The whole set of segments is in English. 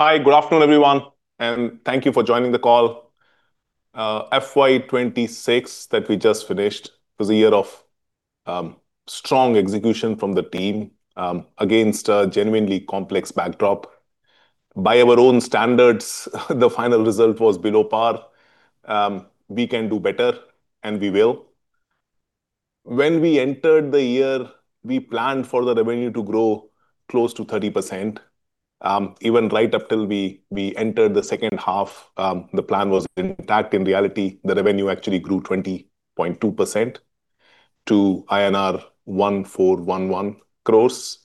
Hi. Good afternoon, everyone, and thank you for joining the call. FY 2026 that we just finished was a year of strong execution from the team against a genuinely complex backdrop. By our own standards, the final result was below par. We can do better, and we will. When we entered the year, we planned for the revenue to grow close to 30%. Even right up till we entered the second half, the plan was intact. In reality, the revenue actually grew 20.2% to INR 1,411 crores.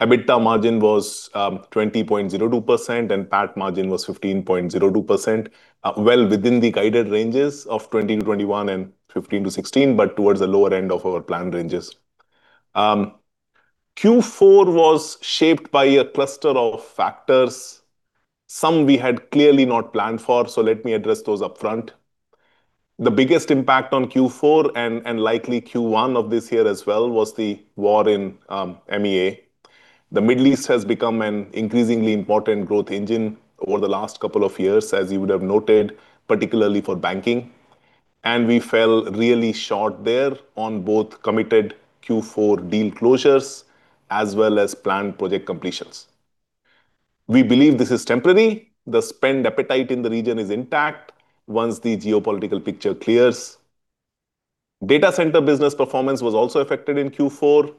EBITDA margin was 20.02%, and PAT margin was 15.02%. Well within the guided ranges of 20%-21% and 15%-16%, towards the lower end of our planned ranges. Q4 was shaped by a cluster of factors. Some we had clearly not planned for. Let me address those upfront. The biggest impact on Q4 and likely Q1 of this year as well was the war in MEA. The Middle East has become an increasingly important growth engine over the last couple of years, as you would have noted, particularly for banking. We fell really short there on both committed Q4 deal closures as well as planned project completions. We believe this is temporary. The spend appetite in the region is intact once the geopolitical picture clears. Data center business performance was also affected in Q4.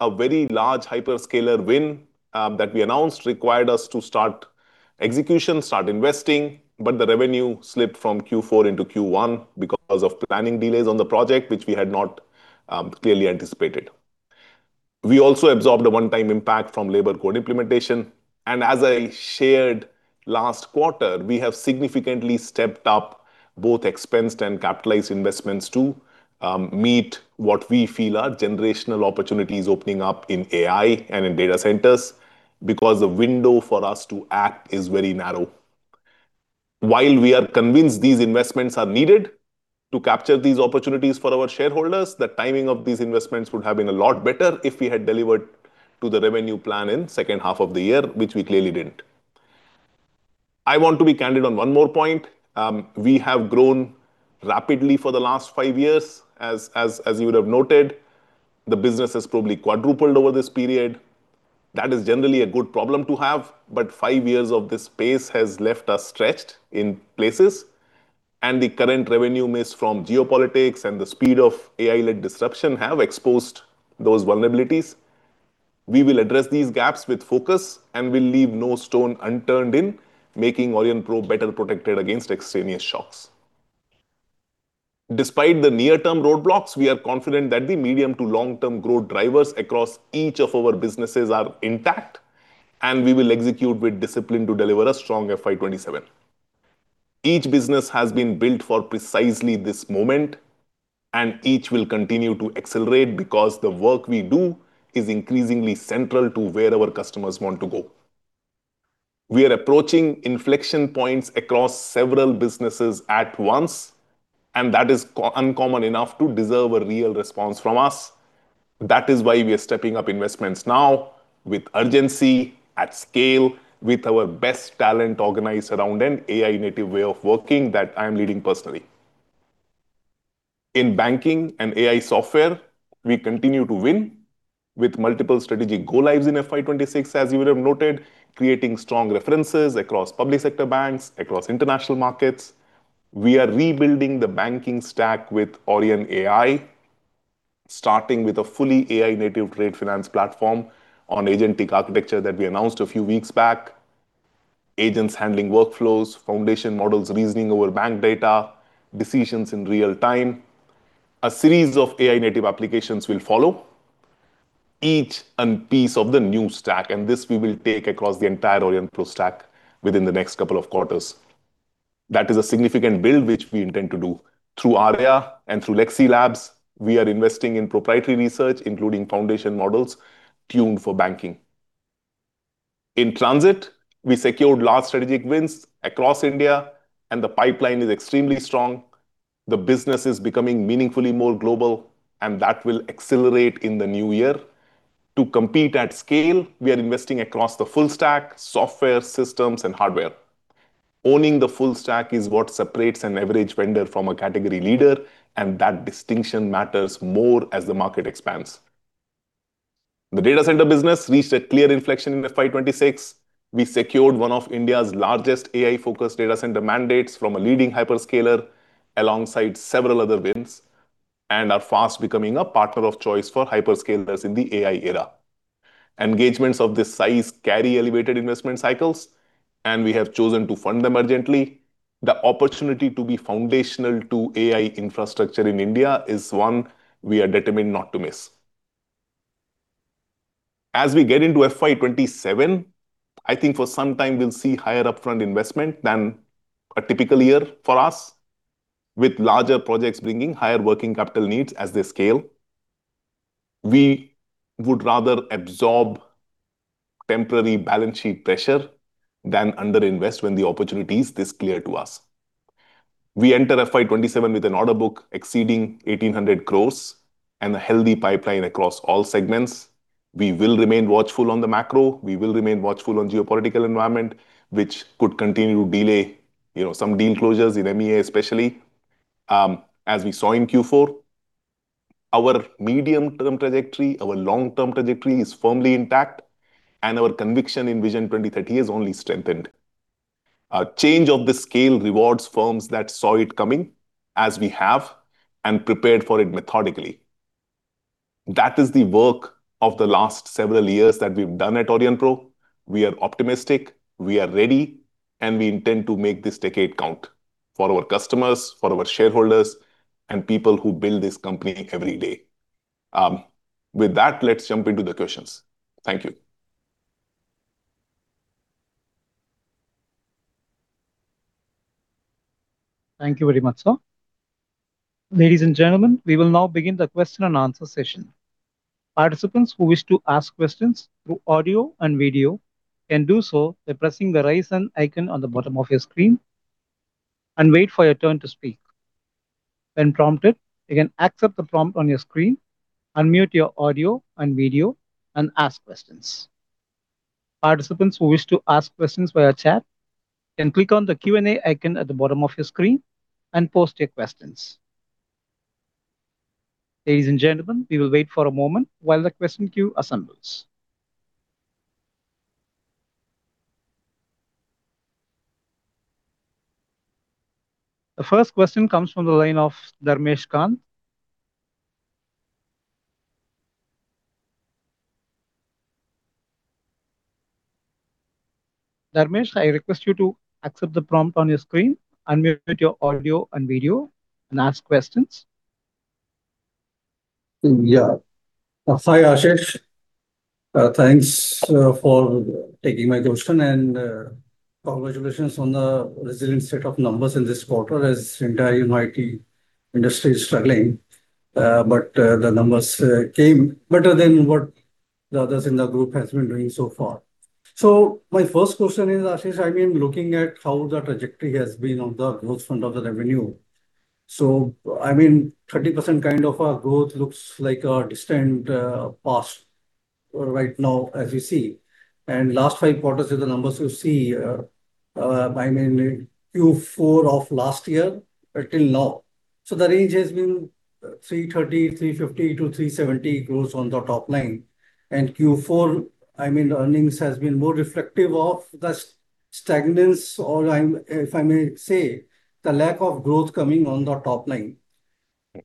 A very large hyperscaler win that we announced required us to start execution, start investing. The revenue slipped from Q4 into Q1 because of planning delays on the project, which we had not clearly anticipated. We also absorbed a one-time impact from labor code implementation. As I shared last quarter, we have significantly stepped up both expensed and capitalized investments to meet what we feel are generational opportunities opening up in AI and in data centers because the window for us to act is very narrow. While we are convinced these investments are needed to capture these opportunities for our shareholders, the timing of these investments would have been a lot better if we had delivered to the revenue plan in second half of the year, which we clearly didn't. I want to be candid on one more point. We have grown rapidly for the last five years. As you would have noted, the business has probably quadrupled over this period. That is generally a good problem to have five years of this pace has left us stretched in places. The current revenue miss from geopolitics and the speed of AI-led disruption have exposed those vulnerabilities. We will address these gaps with focus. We'll leave no stone unturned in making Aurionpro better protected against extraneous shocks. Despite the near-term roadblocks, we are confident that the medium to long-term growth drivers across each of our businesses are intact. We will execute with discipline to deliver a strong FY 2027. Each business has been built for precisely this moment. Each will continue to accelerate because the work we do is increasingly central to where our customers want to go. We are approaching inflection points across several businesses at once. That is uncommon enough to deserve a real response from us. That is why we are stepping up investments now with urgency, at scale, with our best talent organized around an AI-native way of working that I am leading personally. In banking and AI software, we continue to win with multiple strategic go-lives in FY 2026, as you would have noted, creating strong references across public sector banks, across international markets. We are rebuilding the banking stack with AurionAI, starting with a fully AI-native trade finance platform on agentic architecture that we announced a few weeks back. Agents handling workflows, foundation models reasoning over bank data, decisions in real time. A series of AI-native applications will follow. Each a piece of the new stack, and this we will take across the entire Aurionpro stack within the next couple of quarters. That is a significant build which we intend to do. Through Arya and through Lexsi Labs, we are investing in proprietary research, including foundation models tuned for banking. In transit, we secured large strategic wins across India, and the pipeline is extremely strong. The business is becoming meaningfully more global, and that will accelerate in the new year. To compete at scale, we are investing across the full stack, software, systems, and hardware. Owning the full stack is what separates an average vendor from a category leader, and that distinction matters more as the market expands. The data center business reached a clear inflection in FY 2026. We secured one of India's largest AI-focused data center mandates from a leading hyperscaler, alongside several other wins, and are fast becoming a partner of choice for hyperscalers in the AI era. Engagements of this size carry elevated investment cycles, and we have chosen to fund them urgently. The opportunity to be foundational to AI infrastructure in India is one we are determined not to miss. As we get into FY 2027, I think for some time we'll see higher upfront investment than a typical year for us, with larger projects bringing higher working capital needs as they scale. We would rather absorb temporary balance sheet pressure than underinvest when the opportunity is this clear to us. We enter FY 2027 with an order book exceeding 1,800 crores and a healthy pipeline across all segments. We will remain watchful on the macro. We will remain watchful on geopolitical environment, which could continue to delay, you know, some deal closures in EMEA especially, as we saw in Q4. Our medium-term trajectory, our long-term trajectory is firmly intact, and our conviction in Vision 2030 has only strengthened. A change of this scale rewards firms that saw it coming, as we have, and prepared for it methodically. That is the work of the last several years that we've done at Aurionpro. We are optimistic, we are ready, and we intend to make this decade count for our customers, for our shareholders, and people who build this company every day. With that, let's jump into the questions. Thank you. Thank you very much, sir. Ladies and gentlemen, we will now begin the question and answer session. Participants who wish to ask questions through audio and video can do so by pressing the Raise Hand icon on the bottom of your screen and wait for your turn to speak. When prompted, you can accept the prompt on your screen, unmute your audio and video, and ask questions. Participants who wish to ask questions via chat can click on the Q&A icon at the bottom of your screen and post your questions. Ladies and gentlemen, we will wait for a moment while the question queue assembles. The first question comes from the line of Dharmesh Kant. Dharmesh, I request you to accept the prompt on your screen, unmute your audio and video, and ask questions. Hi, Ashish. Thanks for taking my question and congratulations on the resilient set of numbers in this quarter as entire IT industry is struggling. The numbers came better than what the others in the group has been doing so far. My first question is, Ashish, I mean, looking at how the trajectory has been on the growth front of the revenue. I mean, 30% kind of a growth looks like a distant past right now as you see. Last five quarters with the numbers you see, I mean, Q4 of last year till now. The range has been 330, 350 to 370 growth on the top line. Q4, I mean, the earnings has been more reflective of the stagnance or if I may say, the lack of growth coming on the top line.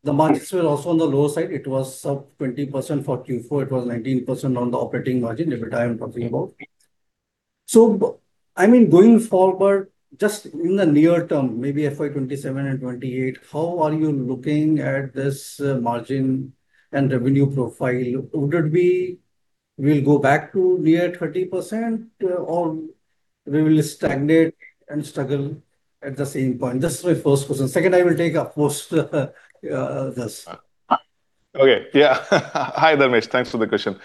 The margins were also on the lower side. It was sub 20% for Q4. It was 19% on the operating margin EBITDA I'm talking about. I mean, going forward, just in the near term, maybe FY 2027 and 2028, how are you looking at this margin and revenue profile? Would it be we'll go back to near 30% or we will stagnate and struggle at the same point? This is my first question. Second, I will take up post this. Okay. Yeah. Hi, Dharmesh. Thanks for the question.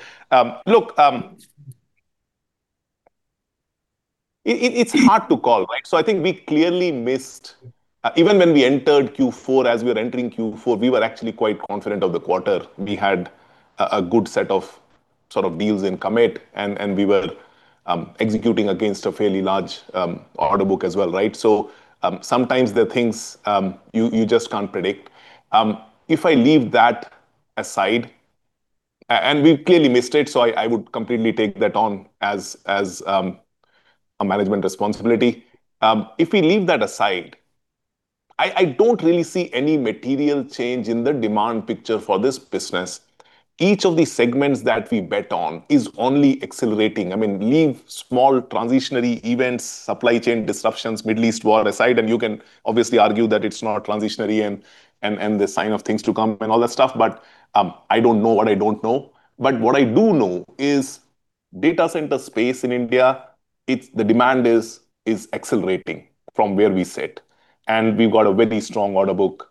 It's hard to call, right? I think we clearly missed. Even when we entered Q4, as we were entering Q4, we were actually quite confident of the quarter. We had a good set of sort of deals in commit, and we were executing against a fairly large order book as well, right? Sometimes there are things you just can't predict. If I leave that aside, and we've clearly missed it, I would completely take that on as a management responsibility. If we leave that aside, I don't really see any material change in the demand picture for this business. Each of the segments that we bet on is only accelerating. I mean, leave small transitionary events, supply chain disruptions, Middle East war aside, and you can obviously argue that it's not transitionary and the sign of things to come and all that stuff, I don't know what I don't know. What I do know is data center space in India, the demand is accelerating from where we sit, and we've got a very strong order book.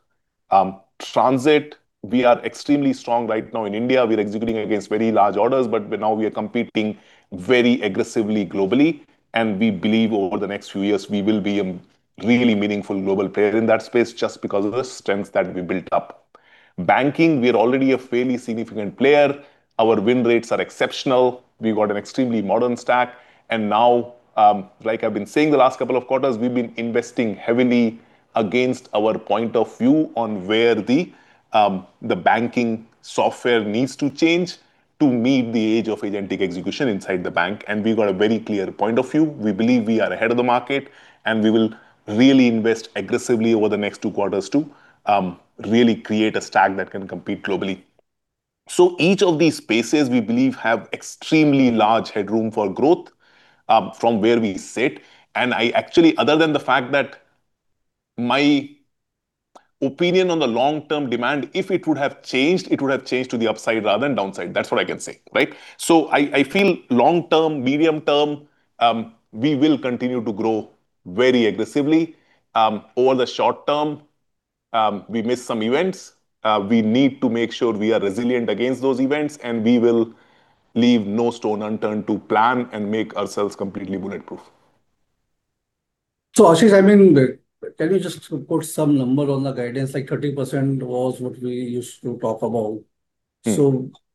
Transit, we are extremely strong right now in India. We're executing against very large orders, but now we are competing very aggressively globally, and we believe over the next few years we will be a really meaningful global player in that space just because of the strength that we built up. Banking, we're already a fairly significant player. Our win rates are exceptional. We've got an extremely modern stack. Now, like I've been saying the last couple of quarters, we've been investing heavily against our point of view on where the banking software needs to change to meet the age of agentic execution inside the bank. We've got a very clear point of view. We believe we are ahead of the market, and we will really invest aggressively over the next two quarters to really create a stack that can compete globally. Each of these spaces, we believe, have extremely large headroom for growth, from where we sit. I actually, other than the fact that my opinion on the long-term demand, if it would have changed, it would have changed to the upside rather than downside. That's what I can say, right? I feel long term, medium term, we will continue to grow very aggressively. We missed some events. We need to make sure we are resilient against those events, and we will leave no stone unturned to plan and make ourselves completely bulletproof. Ashish, I mean, can you just put some number on the guidance? Like, 30% was what we used to talk about.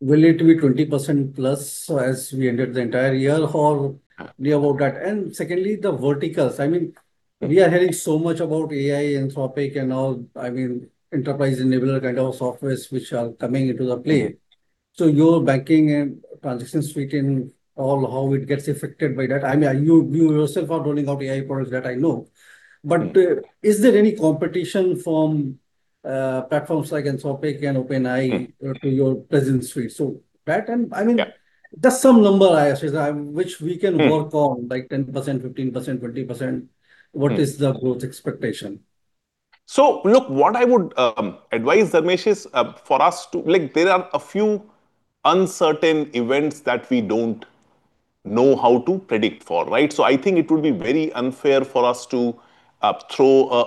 Will it be 20% plus as we enter the entire year, or be about that? Secondly, the verticals. I mean, we are hearing so much about AI, Anthropic, and all. I mean, enterprise enabler kind of softwares which are coming into the play. Your banking and transaction suite and all, how it gets affected by that. I mean, you yourself are rolling out AI products. That I know. Is there any competition from platforms like Anthropic and OpenAI? to your presence suite? So that, Yeah just some number, Ashish, which we can work on. Like 10%, 15%, 20%. What is the growth expectation? Look, what I would advise, Dharmesh, is for us to Like, there are a few uncertain events that we don't know how to predict for, right? I think it would be very unfair for us to throw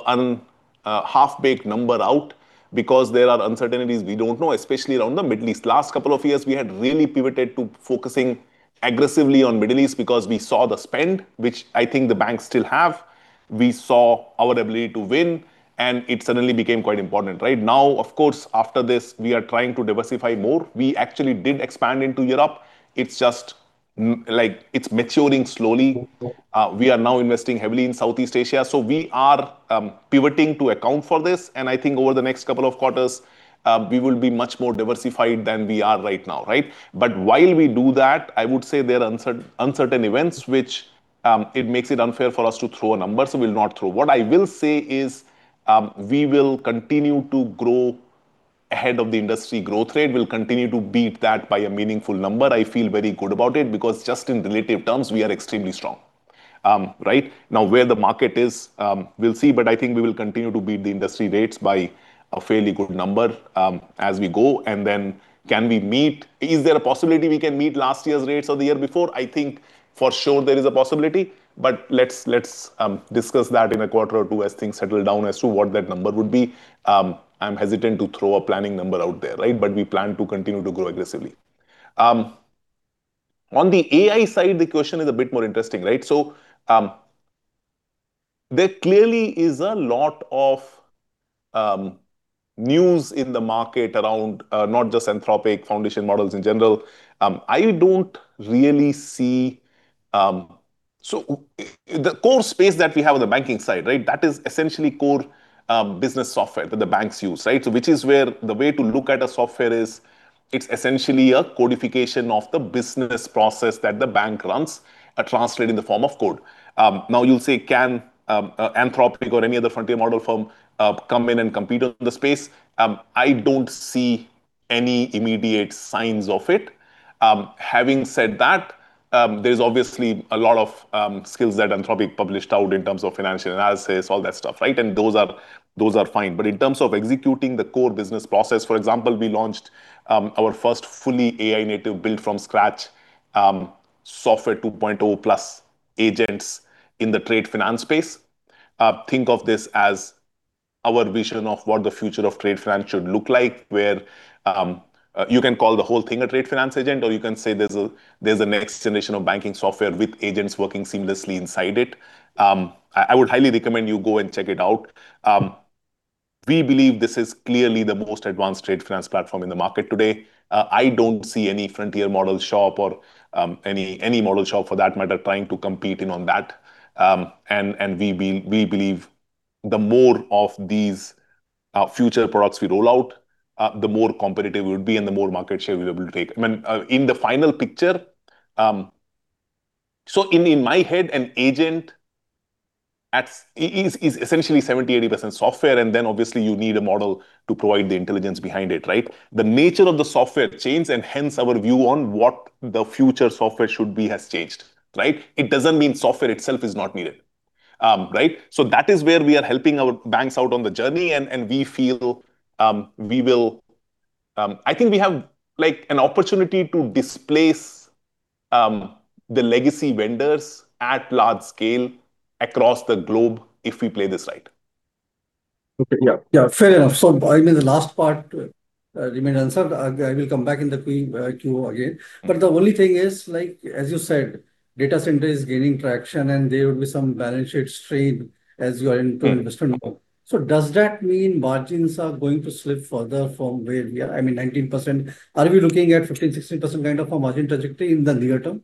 a half-baked number out because there are uncertainties we don't know, especially around the Middle East. Last two years we had really pivoted to focusing aggressively on Middle East because we saw the spend, which I think the banks still have. We saw our ability to win, it suddenly became quite important, right? Now, of course, after this, we are trying to diversify more. We actually did expand into Europe. It's just like, it's maturing slowly. We are now investing heavily in Southeast Asia. We are pivoting to account for this, and I think over the next couple of quarters, we will be much more diversified than we are right now, right? While we do that, I would say there are uncertain events which, it makes it unfair for us to throw a number, so we'll not throw. What I will say is, we will continue to grow ahead of the industry growth rate. We'll continue to beat that by a meaningful number. I feel very good about it because just in relative terms we are extremely strong. Right now where the market is, we'll see, but I think we will continue to beat the industry rates by a fairly good number as we go. Is there a possibility we can meet last year's rates or the year before? I think for sure there is a possibility, but let's discuss that in a quarter or two as things settle down as to what that number would be. I'm hesitant to throw a planning number out there, right? We plan to continue to grow aggressively. On the AI side, the question is a bit more interesting, right? There clearly is a lot of news in the market around not just Anthropic, foundation models in general. I don't really see the core space that we have on the banking side, right? That is essentially core business software that the banks use, right? Which is where the way to look at a software is it's essentially a codification of the business process that the bank runs, translated in the form of code. Now you'll say can Anthropic or any other frontier model firm come in and compete in the space? I don't see any immediate signs of it. Having said that, there's obviously a lot of skills that Anthropic published out in terms of financial analysis, all that stuff, right? Those are fine. In terms of executing the core business process For example, we launched our first fully AI-native, built from scratch, Software 2.0+ agents in the trade finance space. Think of this as our vision of what the future of trade finance should look like, where you can call the whole thing a trade finance agent, or you can say there's a next generation of banking software with agents working seamlessly inside it. I would highly recommend you go and check it out. We believe this is clearly the most advanced trade finance platform in the market today. I don't see any frontier model shop or any model shop for that matter trying to compete in on that. We believe the more of these future products we roll out, the more competitive we'll be and the more market share we're able to take. I mean, in the final picture, in my head, an agent is essentially 70%, 80% software and then obviously you need a model to provide the intelligence behind it, right? The nature of the software changed, and hence our view on what the future software should be has changed, right? It doesn't mean software itself is not needed. Right? That is where we are helping our banks out on the journey and we feel, we will, I think we have, like, an opportunity to displace the legacy vendors at large scale across the globe if we play this right. Okay. Yeah. Yeah, fair enough. I mean, the last part remained unanswered. I will come back in the Q&A again. The only thing is, like, as you said, data center is gaining traction and there will be some balance sheet strain as you are into investment mode. Does that mean margins are going to slip further from where we are? I mean, 19%. Are we looking at 15%, 16% kind of a margin trajectory in the near term?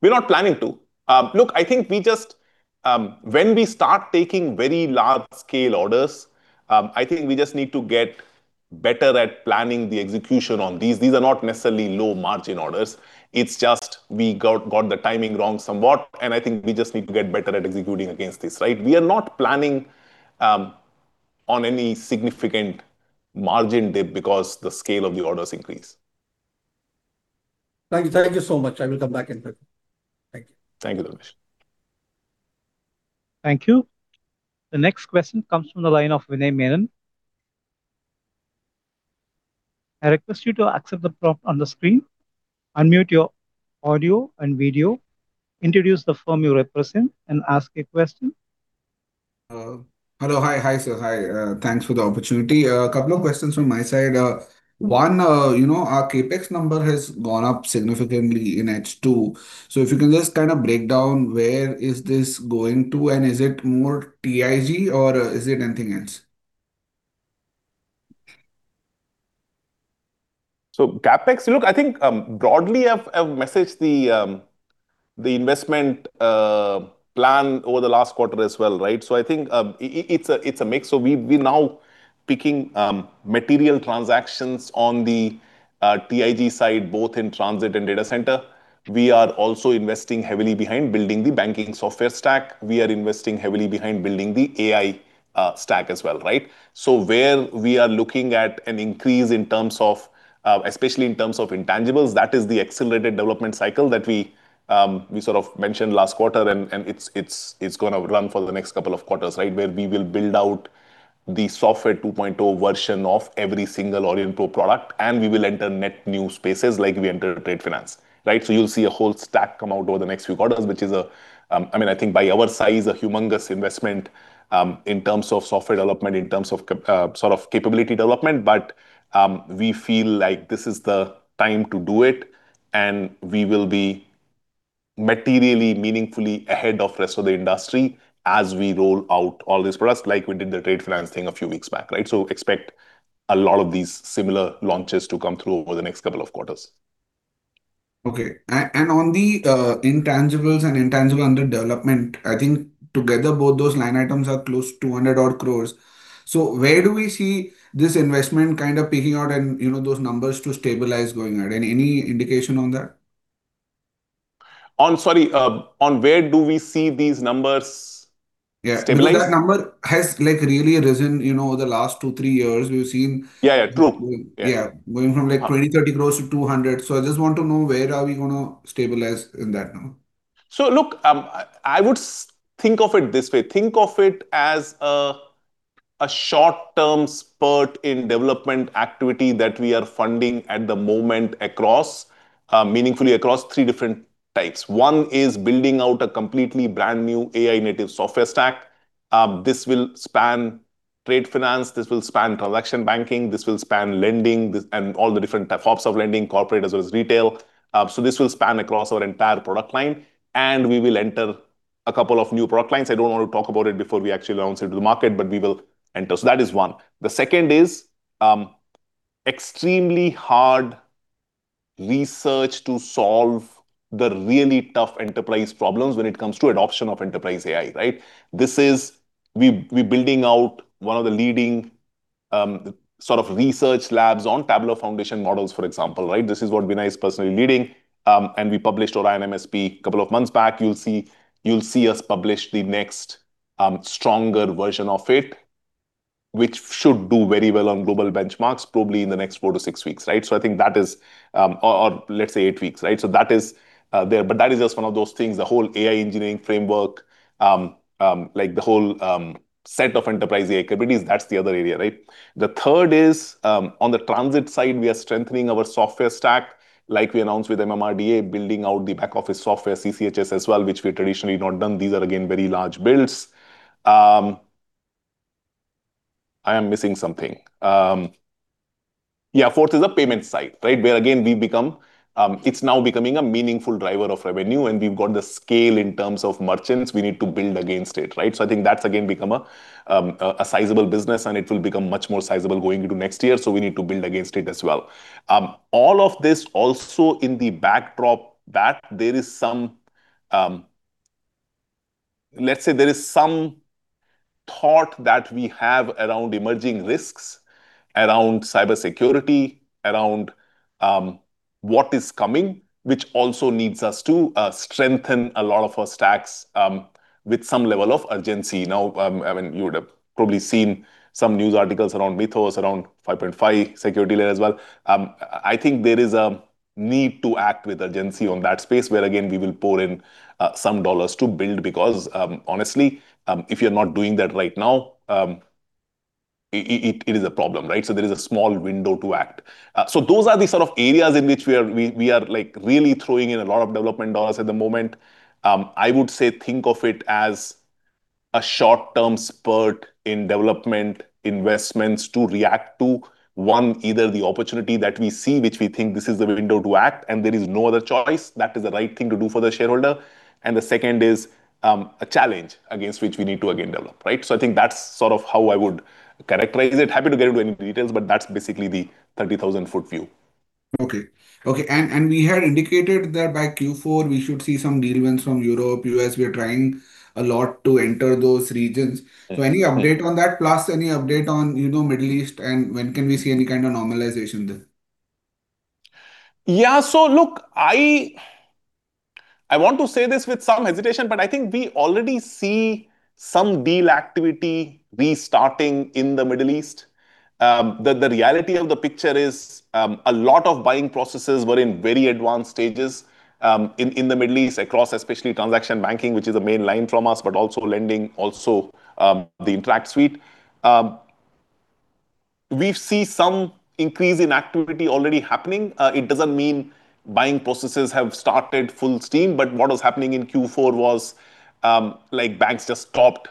We're not planning to. Look, I think we just, when we start taking very large-scale orders, I think we just need to get better at planning the execution on these. These are not necessarily low-margin orders. It's just we got the timing wrong somewhat. I think we just need to get better at executing against this, right? We are not planning on any significant margin dip because the scale of the orders increase. Thank you. Thank you so much. Thank you. Thank you, Dharmesh. Thank you. The next question comes from the line of Vinay Menon. I request you to accept the prompt on the screen, unmute your audio and video, introduce the firm you represent, and ask a question. Hello. Hi. Hi, sir. Hi, thanks for the opportunity. Couple of questions from my side. One, you know, our CapEx number has gone up significantly in H2. If you can just kind of break down where is this going to, and is it more TIG or is it anything else? CapEx, look, I think, broadly I've messaged the investment plan over the last quarter as well. I think, it's a mix. We now picking material transactions on the TIG side, both in transit and data center. We are also investing heavily behind building the banking software stack. We are investing heavily behind building the AI stack as well. Where we are looking at an increase in terms of, especially in terms of intangibles, that is the accelerated development cycle that we sort of mentioned last quarter and it's gonna run for the next couple of quarters. Where we will build out the Software 2.0 version of every single Aurionpro product, and we will enter net new spaces like we entered trade finance. You'll see a whole stack come out over the next few quarters, which is a, I mean, I think by our size, a humongous investment, in terms of software development, in terms of capability development. We feel like this is the time to do it and we will be materially, meaningfully ahead of rest of the industry as we roll out all these products, like we did the trade finance thing a few weeks back, right? Expect a lot of these similar launches to come through over the next couple of quarters. Okay. On the intangibles and intangible under development, I think together both those line items are close to 100 odd crores. Where do we see this investment kind of peaking out and, you know, those numbers to stabilize going ahead? Any indication on that? On where do we see these numbers stabilize? Yeah. Because that number has, like, really risen, you know, over the last two, three years. Yeah, yeah. True. Yeah. yeah, going from like 20 crores, 30 crores to 200 crores. I just want to know where are we gonna stabilize in that now? Look, I would think of it this way. Think of it as a short-term spurt in development activity that we are funding at the moment across, meaningfully across three different types. One is building out a completely brand-new AurionAI-native software stack. This will span trade finance, this will span transaction banking, this will span lending, this and all the different types, forms of lending, corporate as well as retail. This will span across our entire product line and we will enter a couple of new product lines. I don't want to talk about it before we actually announce it to the market, but we will enter. That is 1. The second is, extremely hard research to solve the really tough enterprise problems when it comes to adoption of enterprise AI, right? We building out one of the leading sort of research labs on tabular foundation models, for example, right? This is what Vinay is personally leading. We published Orion-MSP a couple of months back. You'll see us publish the next stronger version of it, which should do very well on global benchmarks probably in the next four to six weeks, right? I think that is or let's say eight weeks, right? That is there. That is just one of those things. The whole AI engineering framework, like the whole set of enterprise AI capabilities, that's the other area, right? The third is on the transit side, we are strengthening our software stack, like we announced with MMRDA, building out the back office software CCHS as well, which we traditionally not done. These are, again, very large builds. I am missing something. Fourth is the payment side, right? Where again, we become, it's now becoming a meaningful driver of revenue and we've got the scale in terms of merchants, we need to build against it, right? I think that's again become a sizable business and it will become much more sizable going into next year, so we need to build against it as well. All of this also in the backdrop that there is some, let's say there is some thought that we have around emerging risks, around cybersecurity, around what is coming, which also needs us to strengthen a lot of our stacks with some level of urgency. Now, I mean, you would have probably seen some news articles around Mythos, around 5.5 security layer as well. I think there is a need to act with urgency on that space where, again, we will pour in some dollars to build because, honestly, if you're not doing that right now, it is a problem, right? There is a small window to act. Those are the sort of areas in which we are, like, really throwing in a lot of development dollars at the moment. I would say think of it as a short-term spurt in development investments to react to, one, either the opportunity that we see, which we think this is the window to act and there is no other choice, that is the right thing to do for the shareholder. The second is a challenge against which we need to again develop, right? I think that's sort of how I would characterize it. Happy to get into any details, but that's basically the 30,000-foot view. Okay. Okay. We had indicated that by Q4 we should see some deal wins from Europe, U.S. We are trying a lot to enter those regions. Yeah. Any update on that? Plus any update on, you know, Middle East, and when can we see any kind of normalization there? I want to say this with some hesitation, but I think we already see some deal activity restarting in the Middle East. The reality of the picture is, a lot of buying processes were in very advanced stages in the Middle East across especially transaction banking, which is a main line from us, but also lending, also, the Interact suite. We see some increase in activity already happening. It doesn't mean buying processes have started full steam, but what was happening in Q4 was, like, banks just stopped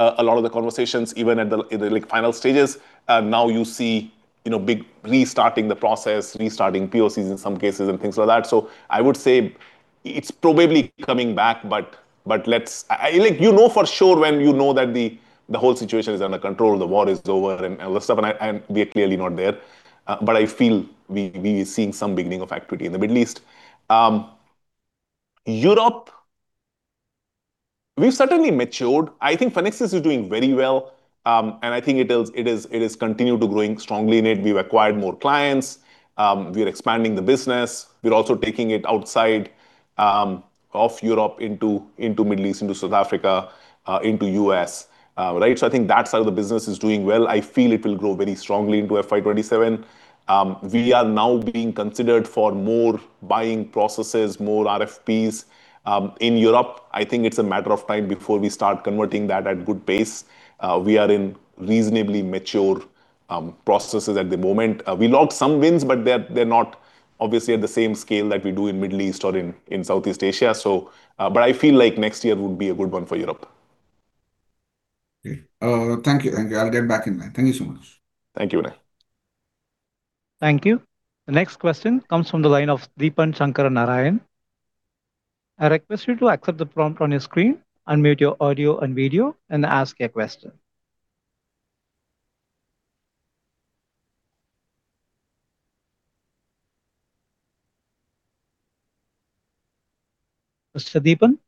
a lot of the conversations even at the, in the, like, final stages. Now you see, you know, big restarting the process, restarting POCs in some cases and things like that. I would say it's probably coming back, but let's you know for sure when you know that the whole situation is under control, the war is over and all that stuff, and I, and we are clearly not there. I feel we are seeing some beginning of activity in the Middle East. Europe, we've certainly matured. I think Fenixys is doing very well, and I think it is continue to growing strongly in it. We've acquired more clients. We are expanding the business. We're also taking it outside of Europe into Middle East, into South Africa, into U.S., right? I think that side of the business is doing well. I feel it will grow very strongly into FY 2027. We are now being considered for more buying processes, more RFPs in Europe. I think it's a matter of time before we start converting that at good pace. We are in reasonably mature processes at the moment. We logged some wins, but they're not obviously at the same scale that we do in Middle East or in Southeast Asia. But I feel like next year would be a good one for Europe. Okay. Thank you. Thank you. I'll get back in line. Thank you so much. Thank you, Vinay. Thank you. The next question comes from the line of Deepan Sankara Narayan. I request you to accept the prompt on your screen, unmute your audio and video, and ask your question. Mr. Deepan?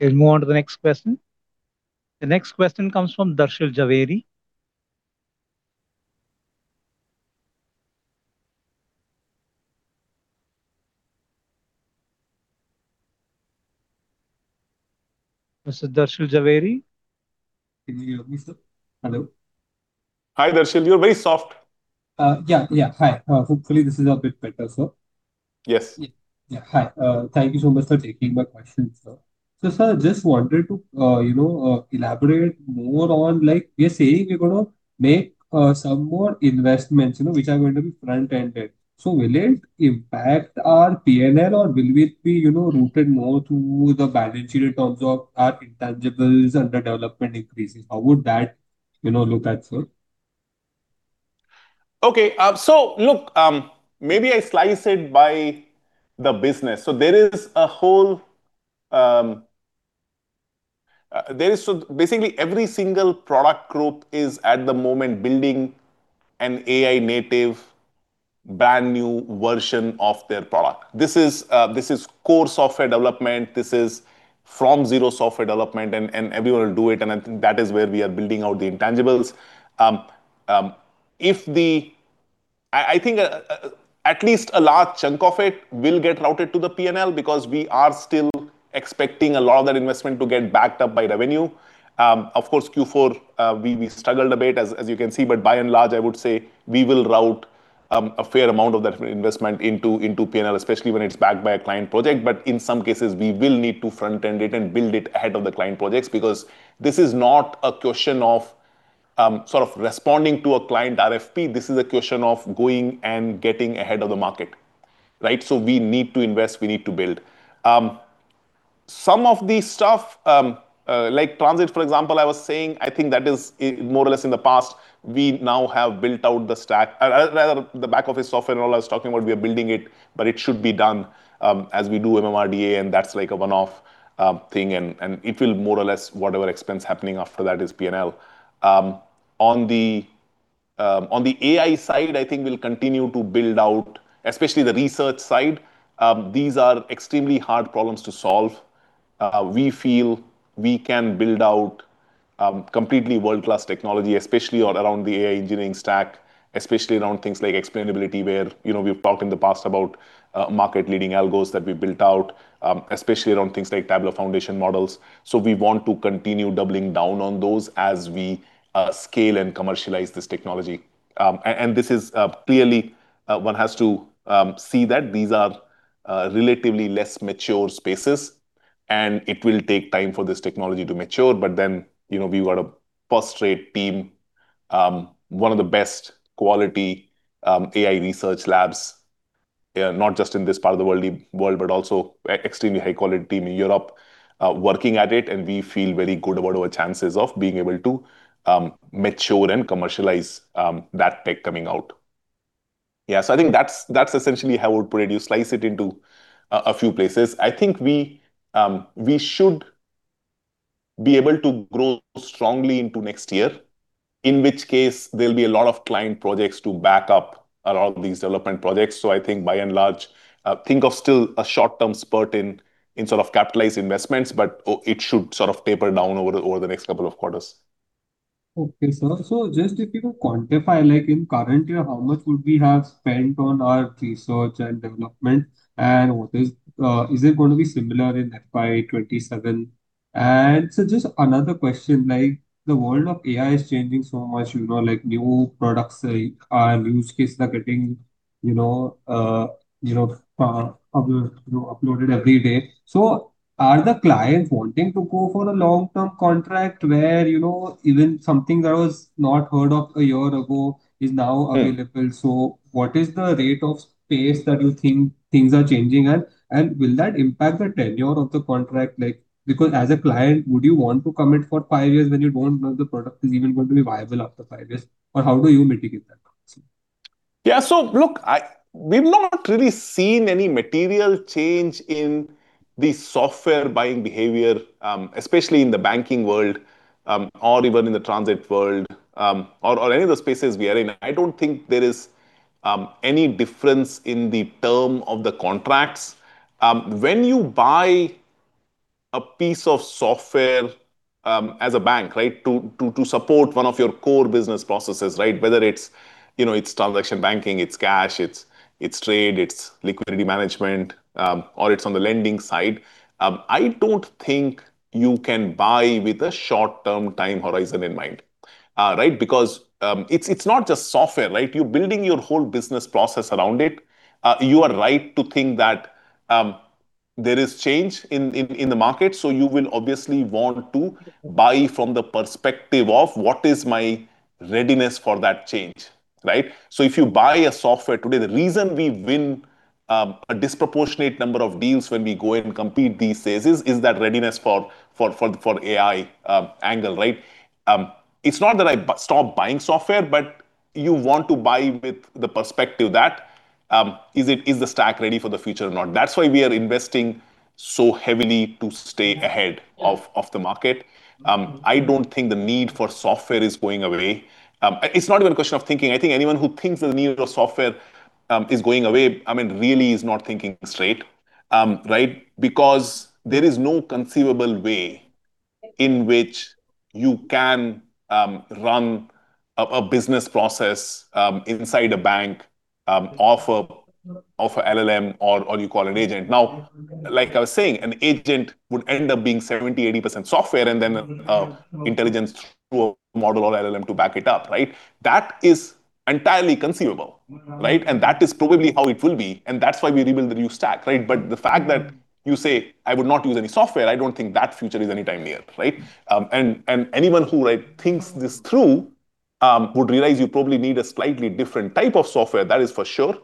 We'll move on to the next question. The next question comes from Darshan Zaveri. Mr. Darshan Zaveri? Can you hear me, sir? Hello? Hi, Darshan. You're very soft. Yeah. Hi. Hopefully this is a bit better, sir. Yes. Yeah. Hi. Thank you so much for taking my question, sir. Sir, just wanted to, you know, elaborate more on, like, we are saying we're gonna make some more investments, you know, which are going to be front-ended. Will it impact our P&L or will it be, you know, rooted more to the balance sheet in terms of our intangibles under development increases? How would that, you know, look at, sir? Okay. Maybe I slice it by the business. Every single product group is at the moment building an AI native brand-new version of their product. This is core software development. This is from zero software development and everyone will do it, and I think that is where we are building out the intangibles. If at least a large chunk of it will get routed to the P&L because we are still expecting a lot of that investment to get backed up by revenue. Of course Q4, we struggled a bit as you can see. By and large, I would say we will route a fair amount of that investment into P&L, especially when it's backed by a client project. In some cases we will need to front-end it and build it ahead of the client projects because this is not a question of sort of responding to a client RFP. This is a question of going and getting ahead of the market, right? We need to invest, we need to build. Some of the stuff, like Transit for example, I was saying I think that is more or less in the past. We now have built out the stack. Rather the back office software and all I was talking about, we are building it, but it should be done as we do MMRDA, and that's like a one-off thing and it will more or less whatever expense happening after that is P&L. On the AI side, I think we'll continue to build out especially the research side. These are extremely hard problems to solve. We feel we can build out completely world-class technology, especially around the AI engineering stack, especially around things like explainability where, you know, we've talked in the past about market leading algos that we built out, especially around things like tabular foundation models. We want to continue doubling down on those as we scale and commercialize this technology. This is clearly one has to see that these are relatively less mature spaces, and it will take time for this technology to mature. You know, we've got a first-rate team, one of the best quality AI research labs, not just in this part of the world, but also extremely high quality team in Europe, working at it, and we feel very good about our chances of being able to mature and commercialize that tech coming out. Yeah. I think that's essentially how I would put it. You slice it into a few places. I think we should be able to grow strongly into next year, in which case there'll be a lot of client projects to back up a lot of these development projects. I think by and large, think of still a short-term spurt in sort of capitalized investments, but it should sort of taper down over the next two quarters. Okay, sir. Just if you could quantify, like in current year, how much would we have spent on our research and development? What is, Is it gonna be similar in FY 2027? Just another question, like the world of AI is changing so much, you know, like new products, like new use case, like getting, you know, uploaded every day. Are the clients wanting to go for a long-term contract where, you know, even something that was not heard of one year ago is now available? What is the rate of pace that you think things are changing at, and will that impact the tenure of the contract? Like, because as a client, would you want to commit for five years when you don't know the product is even going to be viable after five years? How do you mitigate that risk? Yeah. Look, I We've not really seen any material change in the software buying behavior, especially in the banking world, or even in the transit world, or any of the spaces we are in. I don't think there is any difference in the term of the contracts. When you buy a piece of software, as a bank, right? To support one of your core business processes, right? Whether it's, you know, it's transaction banking, it's cash, it's trade, it's liquidity management, or it's on the lending side. I don't think you can buy with a short-term time horizon in mind, right? Because it's not just software, right? You're building your whole business process around it. You are right to think that, there is change in the market. You will obviously want to buy from the perspective of, "What is my readiness for that change?" Right? If you buy a software today, the reason we win, a disproportionate number of deals when we go and compete these phases is that readiness for AI, angle, right? It's not that I stop buying software. You want to buy with the perspective that, is the stack ready for the future or not? That's why we are investing so heavily to stay. Yeah ahead of the market. I don't think the need for software is going away. It's not even a question of thinking. I think anyone who thinks the need of software is going away, I mean, really is not thinking straight, right? Because there is no conceivable way in which you can run a business process inside a bank off a LLM or you call an agent. Now, like I was saying, an agent would end up being 70%-80% software and then an intelligence model or LLM to back it up, right? That is entirely conceivable, right? And that is probably how it will be, and that's why we rebuild the new stack, right? The fact that you say, "I would not use any software," I don't think that future is anytime near, right? Anyone who, like thinks this through, would realize you probably need a slightly different type of software, that is for sure.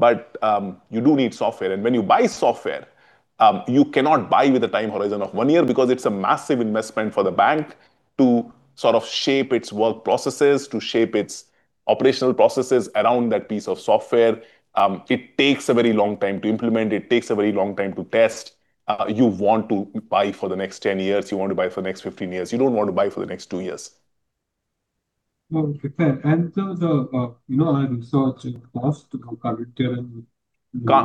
You do need software. When you buy software, you cannot buy with a time horizon of one year because it's a massive investment for the bank to sort of shape its work processes, to shape its operational processes around that piece of software. It takes a very long time to implement. It takes a very long time to test. You want to buy for the next 10 years. You want to buy for the next 15 years. You don't want to buy for the next two years. No, okay. The, you know, our research and cost to go current year.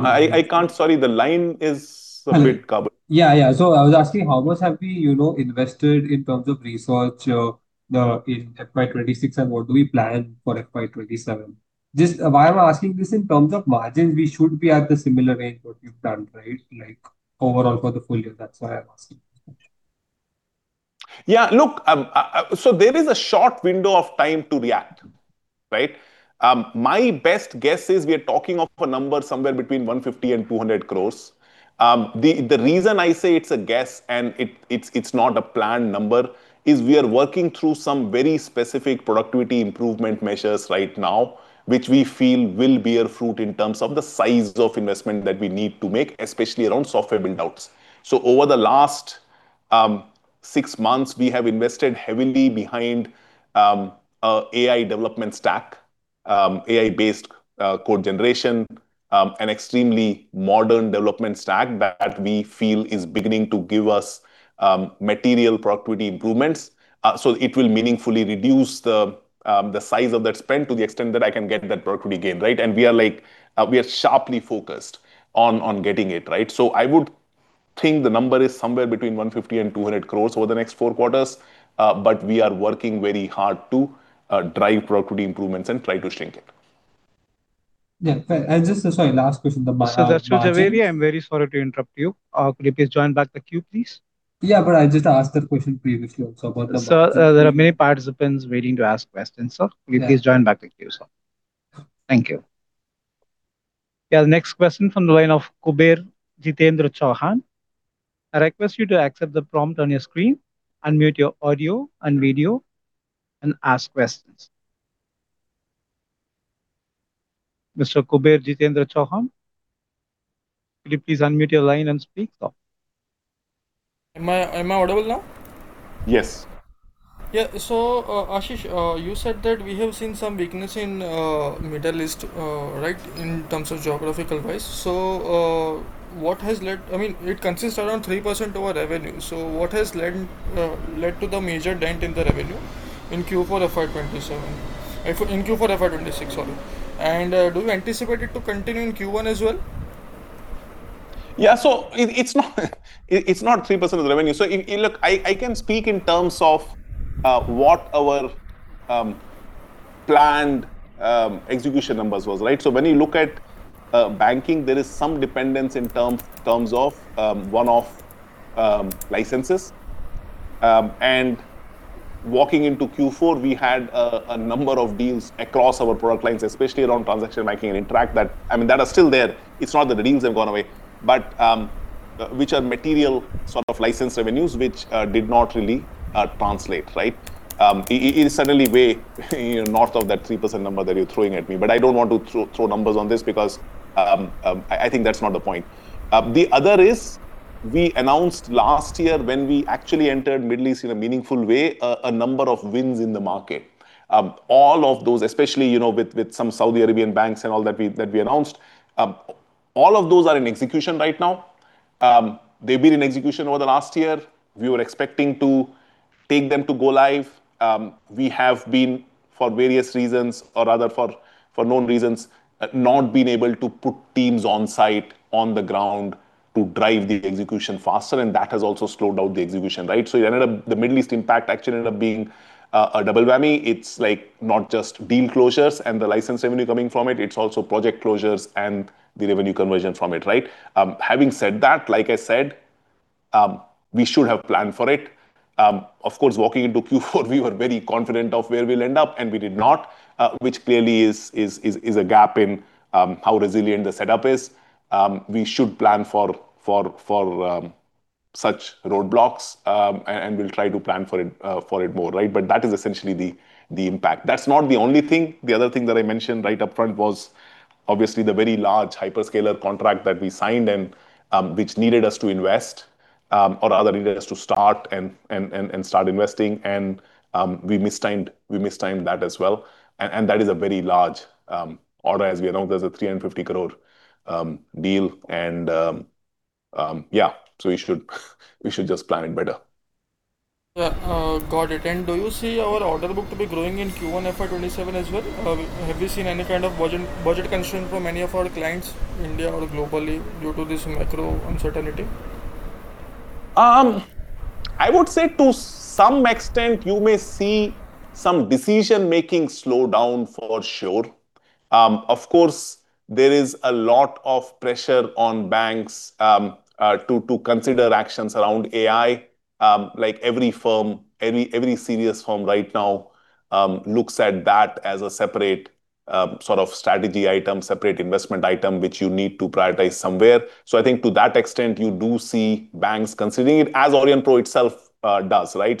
I can't. Sorry, the line is a bit garbled. Yeah, yeah. I was asking how much have we, you know, invested in terms of research, in FY 2026, and what do we plan for FY 2027? Just why I'm asking this in terms of margins, we should be at the similar range what you've done, right, like overall for the full year? That's why I'm asking. Yeah. Look, there is a short window of time to react, right? My best guess is we are talking of a number somewhere between 150 and 200 crores. The reason I say it's a guess and it's not a planned number is we are working through some very specific productivity improvement measures right now, which we feel will bear fruit in terms of the size of investment that we need to make, especially around software build-outs. Over the last six months, we have invested heavily behind an AI development stack, AI-based code generation, an extremely modern development stack that we feel is beginning to give us material productivity improvements. It will meaningfully reduce the size of that spend to the extent that I can get that productivity gain, right? We are, like, we are sharply focused on getting it, right? I would think the number is somewhere between 150 crores and 200 crores over the next four quarters. We are working very hard to drive productivity improvements and try to shrink it. Yeah. Just, sorry, last question. Mr. Zaveri, I'm very sorry to interrupt you. Could you please join back the queue, please? Yeah, I just asked that question previously also about the margin. Sir, there are many participants waiting to ask questions, sir. Yeah. Could you please join back the queue, sir? Thank you. The next question from the line of Kuber Jitendra Chauhan. I request you to accept the prompt on your screen, unmute your audio and video, and ask questions. Mr. Kuber Jitendra Chauhan, could you please unmute your line and speak, sir? Am I audible now? Yes. Yeah. Ashish, you said that we have seen some weakness in Middle East, right, in terms of geographical-wise. What has led I mean, it consists around 3% of our revenue. What has led to the major dent in the revenue in Q4 FY 2026, sorry. Do you anticipate it to continue in Q1 as well? Yeah. It's not 3% of the revenue. If you look, I can speak in terms of what our Planned execution numbers was, right? When you look at banking, there is some dependence in terms of one-off licenses. Walking into Q4, we had a number of deals across our product lines, especially around transaction banking and Interact I mean, that are still there. It's not that the deals have gone away, which are material sort of license revenues which did not really translate, right? It is certainly way, you know, north of that 3% number that you're throwing at me. I don't want to throw numbers on this because I think that's not the point. The other is we announced last year when we actually entered Middle East in a meaningful way, a number of wins in the market. All of those, especially, you know, with some Saudi Arabian banks and all that we announced, all of those are in execution right now. They've been in execution over the last year. We were expecting to take them to go live. We have been, for various reasons or rather for known reasons, not been able to put teams on site, on the ground to drive the execution faster, and that has also slowed down the execution, right? The Middle East impact actually ended up being a double whammy. It's like not just deal closures and the license revenue coming from it's also project closures and the revenue conversion from it, right? Having said that, like I said, we should have planned for it. Of course, walking into Q4 we were very confident of where we'll end up, and we did not, which clearly is a gap in how resilient the setup is. We should plan for such roadblocks, and we'll try to plan for it more, right? That is essentially the impact. That's not the only thing. The other thing that I mentioned right up front was obviously the very large hyperscaler contract that we signed and which needed us to invest, or rather needed us to start and start investing. We mistimed that as well. That is a very large order as we announced. There's a 350 crore deal. We should just plan it better. Yeah. Got it. Do you see our order book to be growing in Q1 FY 2027 as well? Have you seen any kind of budget concern from any of our clients, India or globally, due to this macro uncertainty? I would say to some extent you may see some decision-making slow down, for sure. Of course, there is a lot of pressure on banks to consider actions around AI. Like every firm, every serious firm right now looks at that as a separate sort of strategy item, separate investment item, which you need to prioritize somewhere. I think to that extent, you do see banks considering it, as Aurionpro itself does, right?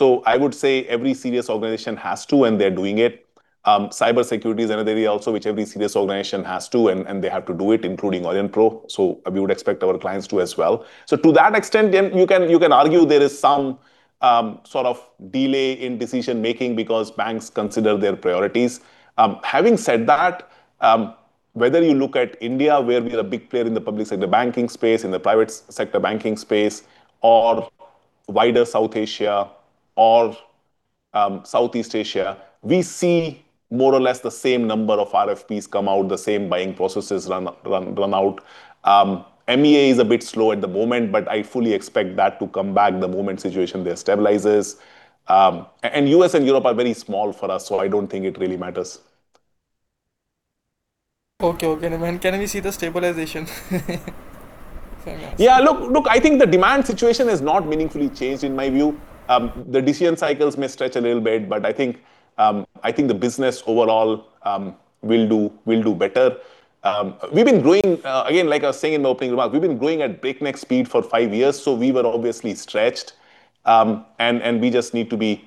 I would say every serious organization has to, and they're doing it. Cybersecurity is another area also which every serious organization has to and they have to do it, including Aurionpro. We would expect our clients to as well. To that extent, yeah, you can argue there is some sort of delay in decision-making because banks consider their priorities. Having said that, whether you look at India, where we are a big player in the public sector banking space, in the private sector banking space, or wider South Asia or Southeast Asia, we see more or less the same number of RFPs come out, the same buying processes run out. MEA is a bit slow at the moment, but I fully expect that to come back the moment situation there stabilizes. U.S. and Europe are very small for us, so I don't think it really matters. Okay. Okay. When can we see the stabilization? Fair enough. Yeah, look, I think the demand situation has not meaningfully changed in my view. The decision cycles may stretch a little bit, but I think, I think the business overall, will do better. We've been growing again, like I was saying in my opening remarks, we've been growing at breakneck speed for five years, so we were obviously stretched. And we just need to be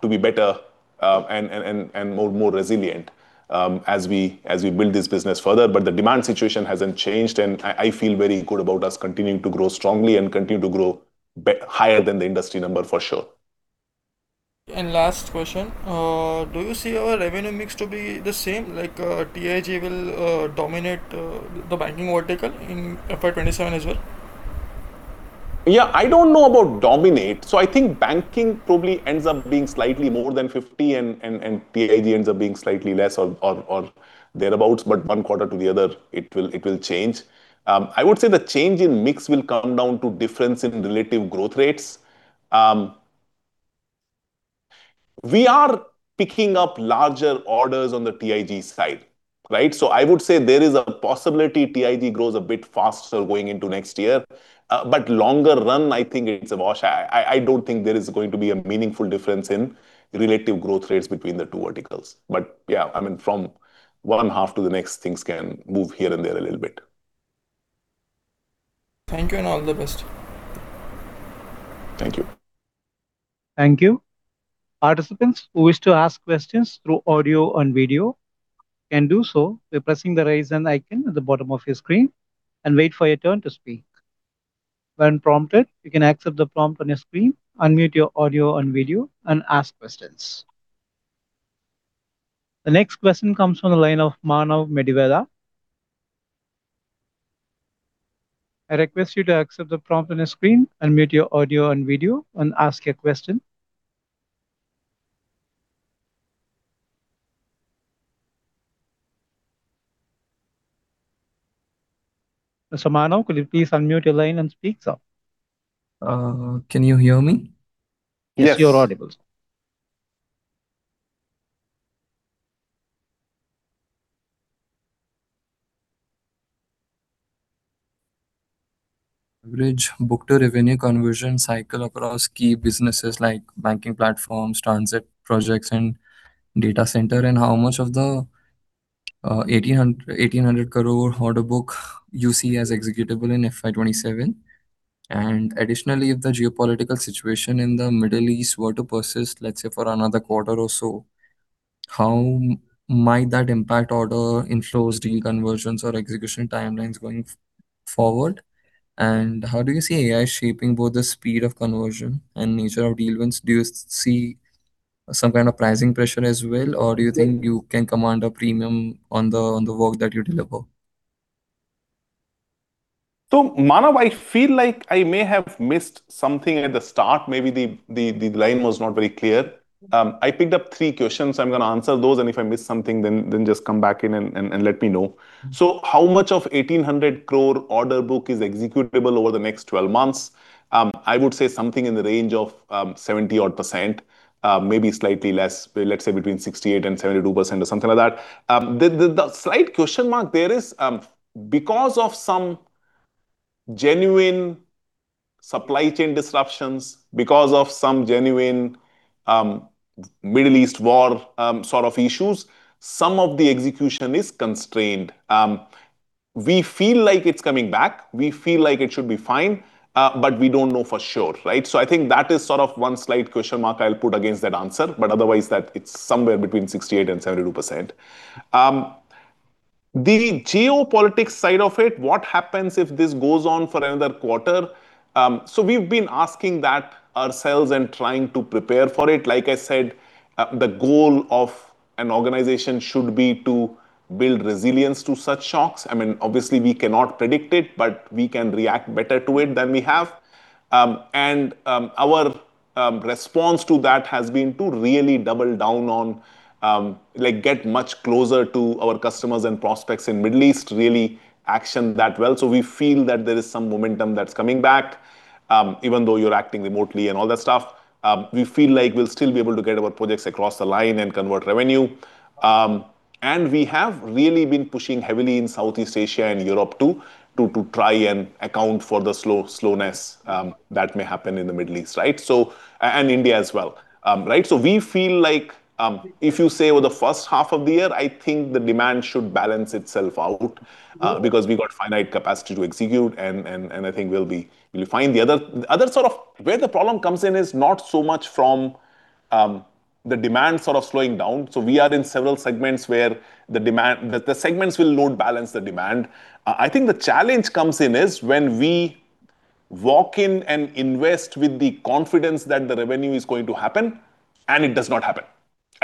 better, and more resilient, as we build this business further. The demand situation hasn't changed, and I feel very good about us continuing to grow strongly and continue to grow higher than the industry number for sure. Last question. Do you see our revenue mix to be the same? Like, TIG will dominate the banking vertical in FY 2027 as well? Yeah. I don't know about dominate. I think banking probably ends up being slightly more than 50 and TIG ends up being slightly less or thereabout. One quarter to the other, it will change. I would say the change in mix will come down to difference in relative growth rates. We are picking up larger orders on the TIG side, right? I would say there is a possibility TIG grows a bit faster going into next year. Longer run, I think it's a wash. I don't think there is going to be a meaningful difference in relative growth rates between the two verticals. Yeah, I mean, from 1 half to the next, things can move here and there a little bit. Thank you and all the best. Thank you. Thank you. Participants who wish to ask questions through audio and video can do so by pressing the Raise Hand icon at the bottom of your screen and wait for your turn to speak. When prompted, you can accept the prompt on your screen, unmute your audio and video and ask questions. The next question comes from the line of Manav Mediwala. I request you to accept the prompt on your screen, unmute your audio and video and ask your question. Mr. Manav, could you please unmute your line and speak, sir? Can you hear me? Yes. Yes. You're audible, sir. Average book-to-revenue conversion cycle across key businesses like banking platforms, transit projects and data center, how much of the 1,800 crore order book you see as executable in FY 2027. Additionally, if the geopolitical situation in the Middle East were to persist, let's say, for another quarter or so, how might that impact order inflows, deal conversions or execution timelines going forward? How do you see AI shaping both the speed of conversion and nature of deal wins? Do you see some kind of pricing pressure as well, or do you think you can command a premium on the work that you deliver? Manav, I feel like I may have missed something at the start. Maybe the line was not very clear. I picked up three questions, so I'm gonna answer those and if I miss something then just come back in and let me know. How much of 1,800 crore order book is executable over the next 12 months? I would say something in the range of 70% odd, maybe slightly less, let's say between 68%-72% or something like that. The slight question mark there is because of some genuine supply chain disruptions, because of some genuine Middle East war sort of issues, some of the execution is constrained. We feel like it's coming back. We feel like it should be fine, we don't know for sure, right? I think that is sort of one slight question mark I'll put against that answer, but otherwise that it's somewhere between 68% and 72%. The geopolitics side of it, what happens if this goes on for another quarter? We've been asking that ourselves and trying to prepare for it. Like I said, the goal of an organization should be to build resilience to such shocks. I mean, obviously we cannot predict it, but we can react better to it than we have. Our response to that has been to really double down on, like, get much closer to our customers and prospects in Middle East, really action that well. We feel that there is some momentum that's coming back, even though you're acting remotely and all that stuff. We feel like we'll still be able to get our projects across the line and convert revenue. And we have really been pushing heavily in Southeast Asia and Europe too, to try and account for the slowness that may happen in the Middle East, right? And India as well, right? We feel like, if you say over the first half of the year, I think the demand should balance itself out, because we've got finite capacity to execute and I think we'll find the other. Where the problem comes in is not so much from the demand sort of slowing down. We are in several segments where the segments will load balance the demand. I think the challenge comes in is when we walk in and invest with the confidence that the revenue is going to happen, and it does not happen.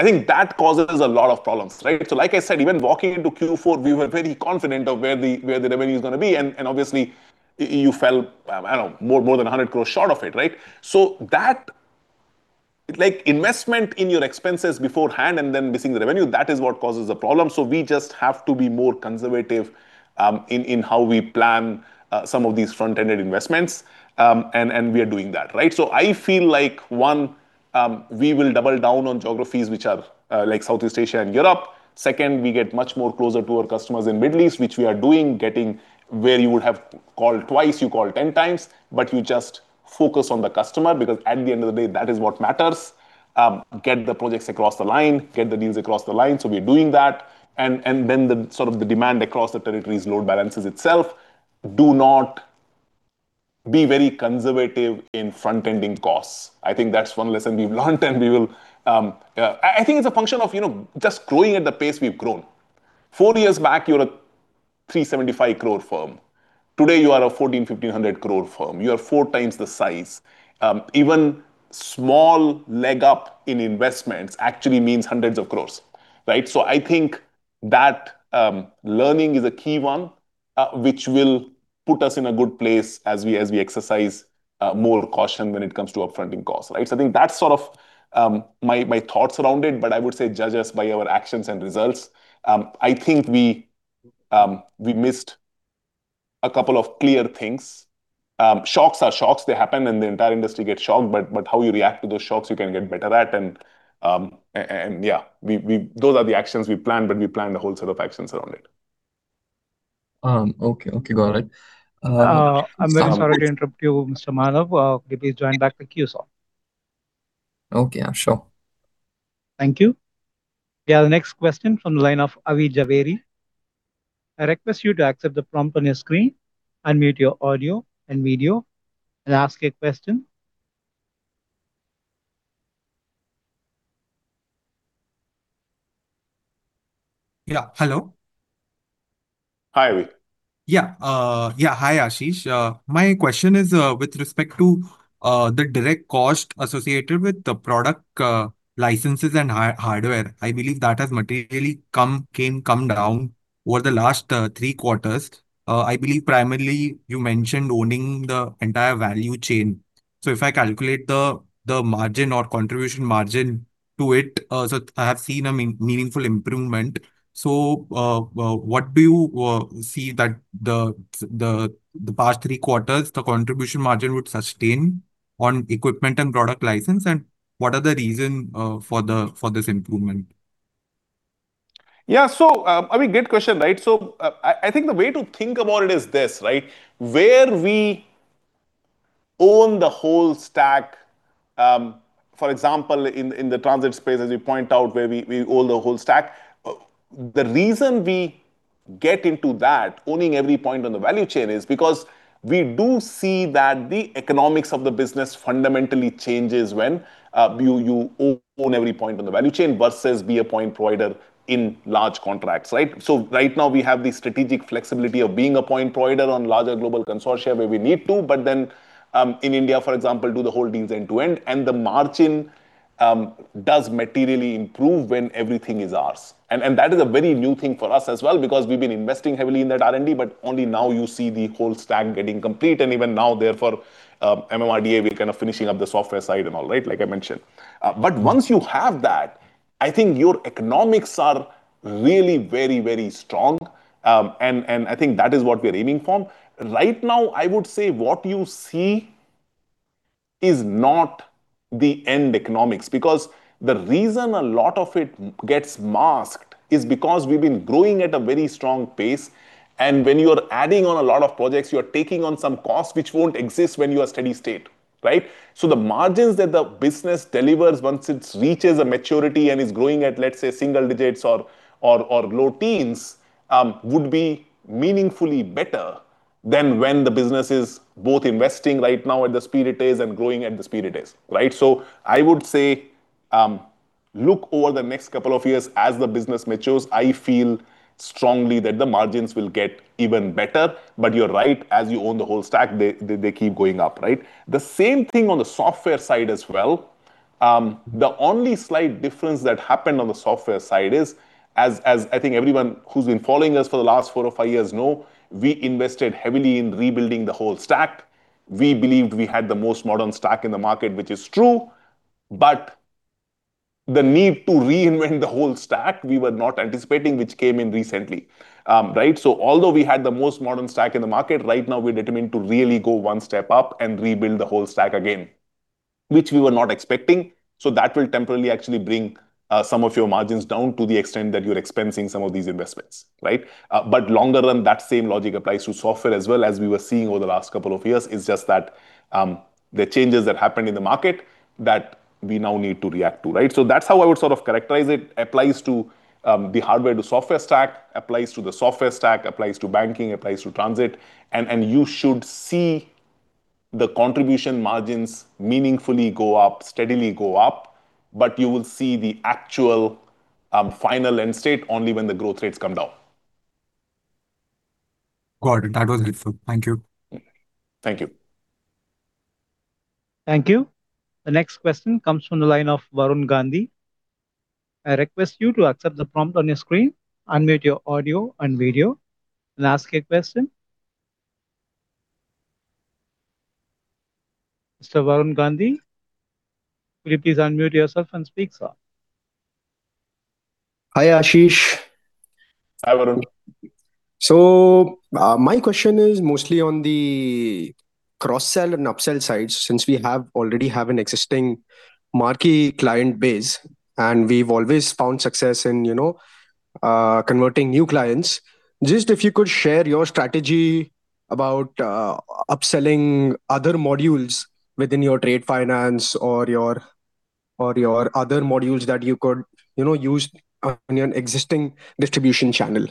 I think that causes a lot of problems, right? Like I said, even walking into Q4, we were pretty confident of where the revenue is gonna be. Obviously you fell, I don't know, more than 100 crore short of it, right? That, like, investment in your expenses beforehand and then missing the revenue, that is what causes the problem. We just have to be more conservative in how we plan some of these front-ended investments. And we are doing that, right? I feel like, one, we will double down on geographies which are, like Southeast Asia and Europe. Second, we get much more closer to our customers in Middle East, which we are doing, getting where you would have called two, you call 10x, but you just focus on the customer because at the end of the day, that is what matters. Get the projects across the line, get the deals across the line. We are doing that. Sort of the demand across the territories load balances itself. Do not be very conservative in front-ending costs. I think that's one lesson we've learned and we will, I think it's a function of, you know, just growing at the pace we've grown. Four years back, you're a 375 crore firm. Today, you are a 1,400-1,500 crore firm. You are four times the size. Even small leg up in investments actually means hundreds of crores, right. I think that, learning is a key one, which will put us in a good place as we, as we exercise more caution when it comes to up-fronting costs, right. I think that's sort of, my thoughts around it, but I would say judge us by our actions and results. I think we missed a couple of clear things. Shocks are shocks. They happen and the entire industry gets shocked, but how you react to those shocks, you can get better at and yeah. Those are the actions we planned, but we planned a whole set of actions around it. Okay. Okay, got it. I'm very sorry to interrupt you, Mr. Manav. Could you please join back the queue, sir? Okay, yeah, sure. Thank you. Yeah, the next question from the line of Avi Javeri. I request you to accept the prompt on your screen, unmute your audio and video, and ask a question. Yeah. Hello? Hi, Avi. Yeah, yeah, hi, Ashish. My question is with respect to the direct cost associated with the product, licenses and hardware. I believe that has materially come down over the last three quarters. I believe primarily you mentioned owning the entire value chain. So if I calculate the margin or contribution margin to it, I have seen a meaningful improvement. What do you see that the past three quarters the contribution margin would sustain on equipment and product license? What are the reason for this improvement? Yeah. I mean, great question, right? I think the way to think about it is this, right? Where we own the whole stack, for example, in the transit space as you point out where we own the whole stack. The reason we get into that, owning every point on the value chain, is because we do see that the economics of the business fundamentally changes when you own every point on the value chain versus be a point provider in large contracts, right? Right now we have the strategic flexibility of being a point provider on larger global consortia where we need to, but then in India, for example, do the whole things end to end. The margin does materially improve when everything is ours. That is a very new thing for us as well because we've been investing heavily in that R&D, but only now you see the whole stack getting complete. Even now therefore, MMRDA, we're kind of finishing up the software side and all, right, like I mentioned. Once you have that, I think your economics are really very, very strong. I think that is what we're aiming for. Right now I would say what you see is not the end economics. The reason a lot of it gets masked is because we've been growing at a very strong pace, and when you're adding on a lot of projects you're taking on some costs which won't exist when you are steady state, right? The margins that the business delivers once it reaches a maturity and is growing at, let's say, single digits or low teens, would be meaningfully better than when the business is both investing right now at the speed it is and growing at the speed it is. Right? I would say, look over the next two years as the business matures. I feel strongly that the margins will get even better. But you're right. As you own the whole stack, they keep going up, right? The same thing on the software side as well. The only slight difference that happened on the software side is as I think everyone who's been following us for the last four or five years know, we invested heavily in rebuilding the whole stack. We believed we had the most modern stack in the market, which is true, but the need to reinvent the whole stack we were not anticipating, which came in recently. Right. Although we had the most modern stack in the market, right now we're determined to really go one step up and rebuild the whole stack again, which we were not expecting. That will temporarily actually bring some of your margins down to the extent that you're expensing some of these investments. Right? Longer run, that same logic applies to software as well as we were seeing over the last couple of years. It's just that the changes that happened in the market that we now need to react to, right? That's how I would sort of characterize it. Applies to the hardware to software stack, applies to the software stack, applies to banking, applies to transit. You should see the contribution margins meaningfully go up, steadily go up, but you will see the actual final end state only when the growth rates come down. Got it. That was helpful. Thank you. Thank you. Thank you. The next question comes from the line of Varun Gandhi. I request you to accept the prompt on your screen, unmute your audio and video, and ask your question. Mr. Varun Gandhi, will you please unmute yourself and speak, sir? Hi, Ashish. Hi, Varun. My question is mostly on the cross-sell and up-sell side since we already have an existing marquee client base and we've always found success in, you know, converting new clients. Just if you could share your strategy about upselling other modules within your trade finance or your other modules that you could, you know, use on your existing distribution channel.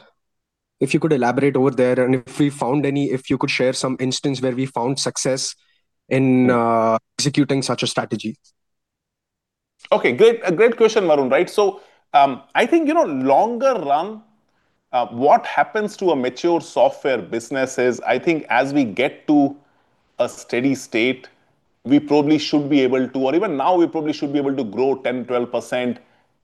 If you could elaborate over there and if you could share some instance where we found success in executing such a strategy. Okay, great question Varun, right. I think, you know, longer run, what happens to a mature software business is, I think as we get to a steady state, we probably should be able to grow 10, 12%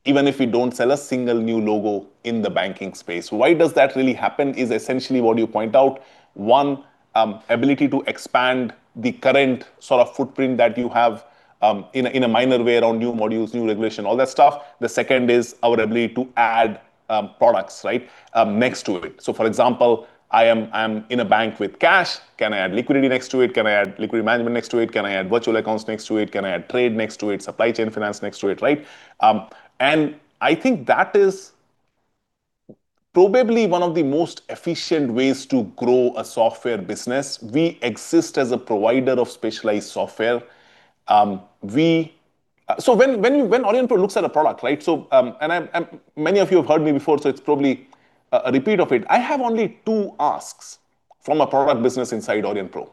even if we don't sell a single new logo in the banking space. Why does that really happen is essentially what you point out. One, ability to expand the current sort of footprint that you have, in a minor way around new modules, new regulation, all that stuff. The second is our ability to add products, right, next to it. For example, I am in a bank with cash. Can I add liquidity next to it? Can I add liquidity management next to it? Can I add virtual accounts next to it? Can I add trade next to it? Supply chain finance next to it, right? I think that is probably one of the most efficient ways to grow a software business. We exist as a provider of specialized software. So when Aurionpro looks at a product, right? I'm many of you have heard me before, so it's probably a repeat of it. I have only two asks from a product business inside Aurionpro.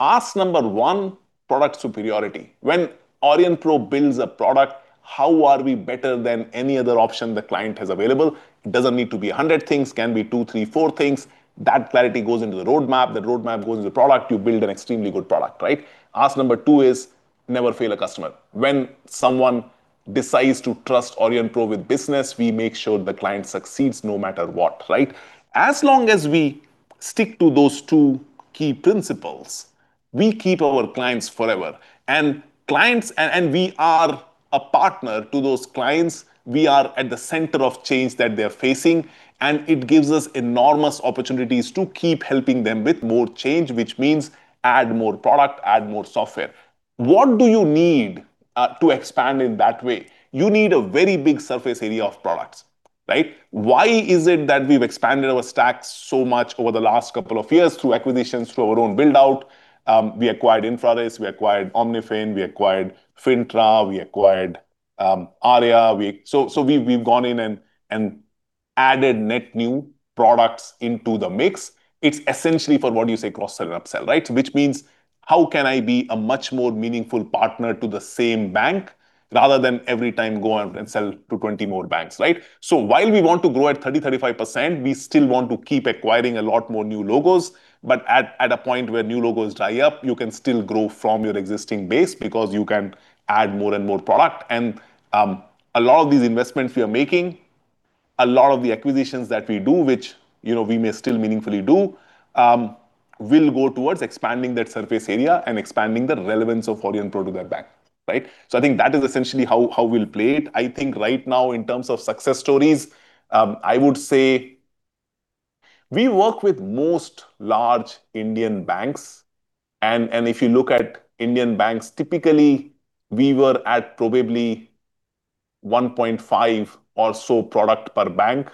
Ask number one, product superiority. When Aurionpro builds a product, how are we better than any other option the client has available? It doesn't need to be 100 things. Can be two, three, four things. That clarity goes into the roadmap. That roadmap goes into the product. You build an extremely good product, right? Ask number two is never fail a customer. When someone decides to trust Aurionpro with business, we make sure the client succeeds no matter what, right? Stick to those two key principles. We keep our clients forever, and we are a partner to those clients. It gives us enormous opportunities to keep helping them with more change, which means add more product, add more software. What do you need to expand in that way? You need a very big surface area of products, right? Why is it that we've expanded our stacks so much over the last couple of years through acquisitions, through our own build-out? We acquired InfraRisk, we acquired Omnifin, we acquired Fintra Software, we acquired Arya.ai. So we've gone in and added net new products into the mix. It's essentially for what you say, cross-sell and up-sell, right? Means how can I be a much more meaningful partner to the same bank rather than every time go out and sell to 20 more banks, right? While we want to grow at 30%-35%, we still want to keep acquiring a lot more new logos. At a point where new logos dry up, you can still grow from your existing base because you can add more and more product. A lot of these investments we are making, a lot of the acquisitions that we do, which, you know, we may still meaningfully do, will go towards expanding that surface area and expanding the relevance of Aurionpro to that bank, right? I think that is essentially how we'll play it. I think right now in terms of success stories, I would say we work with most large Indian banks. If you look at Indian banks, typically, we were at probably 1.5 or so product per bank.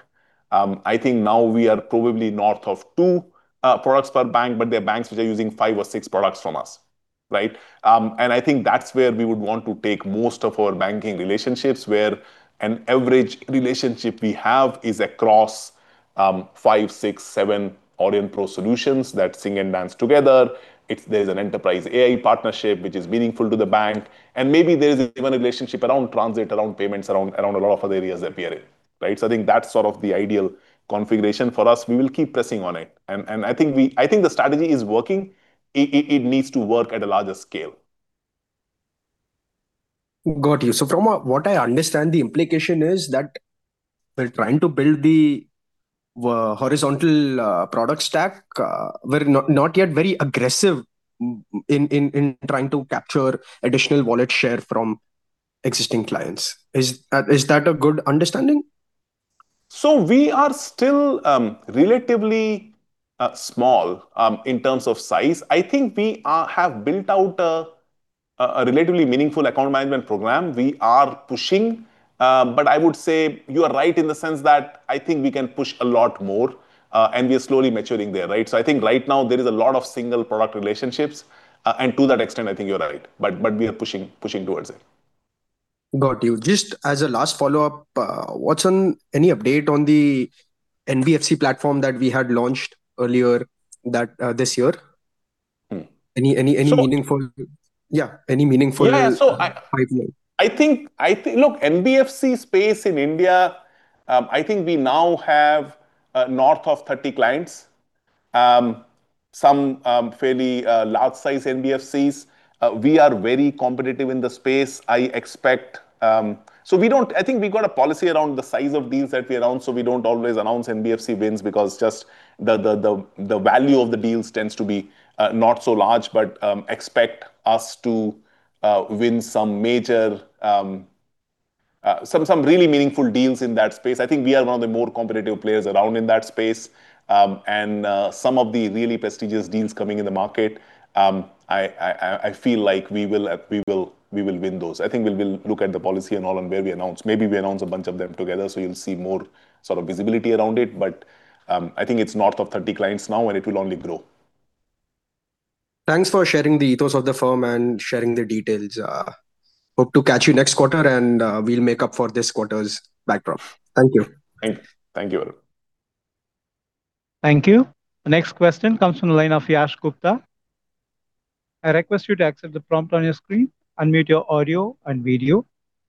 I think now we are probably north of two products per bank, but there are banks which are using five or six products from us. I think that's where we would want to take most of our banking relationships, where an average relationship we have is across five, six, seven Aurionpro solutions that sing and dance together. There's an enterprise AI partnership which is meaningful to the bank, and maybe there is even a relationship around transit, around payments, around a lot of other areas that we are in. I think that's sort of the ideal configuration for us. We will keep pressing on it. I think the strategy is working. It needs to work at a larger scale. Got you. From what I understand, the implication is that we're trying to build the horizontal product stack. We're not yet very aggressive in trying to capture additional wallet share from existing clients. Is that a good understanding? We are still relatively small in terms of size. I think we have built out a relatively meaningful account management program. We are pushing, but I would say you are right in the sense that I think we can push a lot more, and we are slowly maturing there, right? I think right now there is a lot of single product relationships. To that extent, I think you're right. We are pushing towards it. Got you. Just as a last follow-up, any update on the NBFC platform that we had launched earlier that, this year? Any, any meaningful- So- Yeah, any meaningful. Yeah. I think Look, NBFC space in India, I think we now have north of 30 clients. Some fairly large size NBFCs. We are very competitive in the space, I expect. I think we've got a policy around the size of deals that we announce, so we don't always announce NBFC wins because just the value of the deals tends to be not so large. Expect us to win some major really meaningful deals in that space. I think we are one of the more competitive players around in that space. Some of the really prestigious deals coming in the market, I feel like we will win those. I think we'll look at the policy and all and where we announce. Maybe we announce a bunch of them together, so you'll see more sort of visibility around it. I think it's north of 30 clients now, and it will only grow. Thanks for sharing the ethos of the firm and sharing the details. Hope to catch you next quarter, and we'll make up for this quarter's backdrop. Thank you. Thank you, Varun Gandhi. Thank you. The next question comes from the line of Yash Gupta. I request you to accept the prompt on your screen, unmute your audio and video,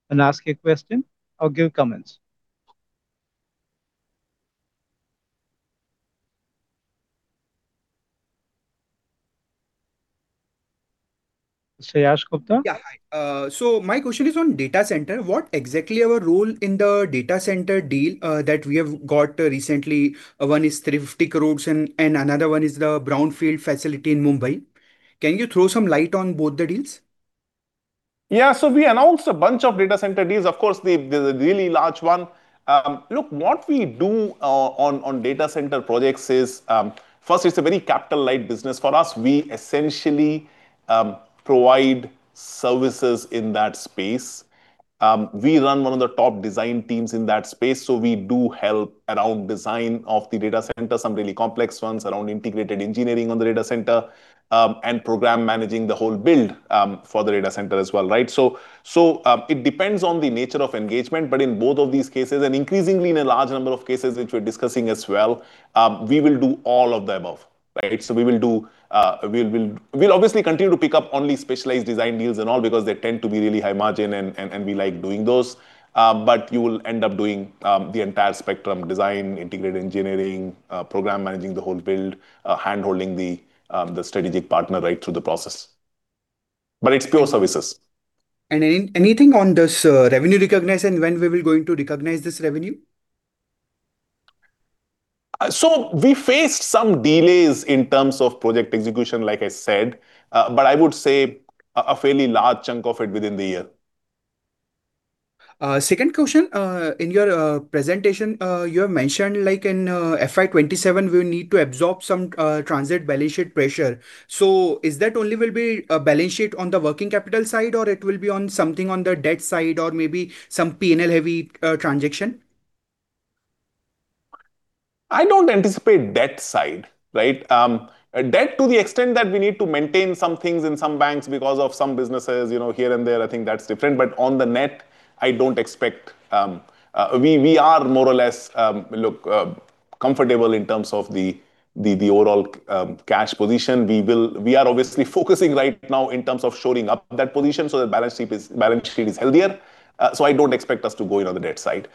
and ask your question or give comments. Yash Gupta. My question is on data center. What exactly our role in the data center deal that we have got recently? One is Thrifty Crossroads and another one is the Brownfield facility in Mumbai. Can you throw some light on both the deals? Yeah. We announced a bunch of data center deals. Of course, the really large one. Look, what we do on data center projects is, first it's a very capital light business for us. We essentially provide services in that space. We run one of the top design teams in that space, so we do help around design of the data center, some really complex ones around integrated engineering on the data center, and program managing the whole build for the data center as well, right? It depends on the nature of engagement. In both of these cases, and increasingly in a large number of cases which we're discussing as well, we will do all of the above, right? We'll obviously continue to pick up only specialized design deals and all because they tend to be really high margin and we like doing those. You will end up doing the entire spectrum design, integrated engineering, program managing the whole build, handholding the strategic partner right through the process. It's pure services. Anything on this, revenue recognition? When we will going to recognize this revenue? We faced some delays in terms of project execution, like I said. I would say a fairly large chunk of it within the year. Second question. In your presentation, you have mentioned like in FY 2027 we need to absorb some transit balance sheet pressure. Is that only will be a balance sheet on the working capital side or it will be on something on the debt side or maybe some P&L heavy transaction? I don't anticipate debt side, right? Debt to the extent that we need to maintain some things in some banks because of some businesses, you know, here and there, I think that's different. On the net, I don't expect we are more or less comfortable in terms of the overall cash position. We are obviously focusing right now in terms of shoring up that position so the balance sheet is healthier. So I don't expect us to go in on the debt side.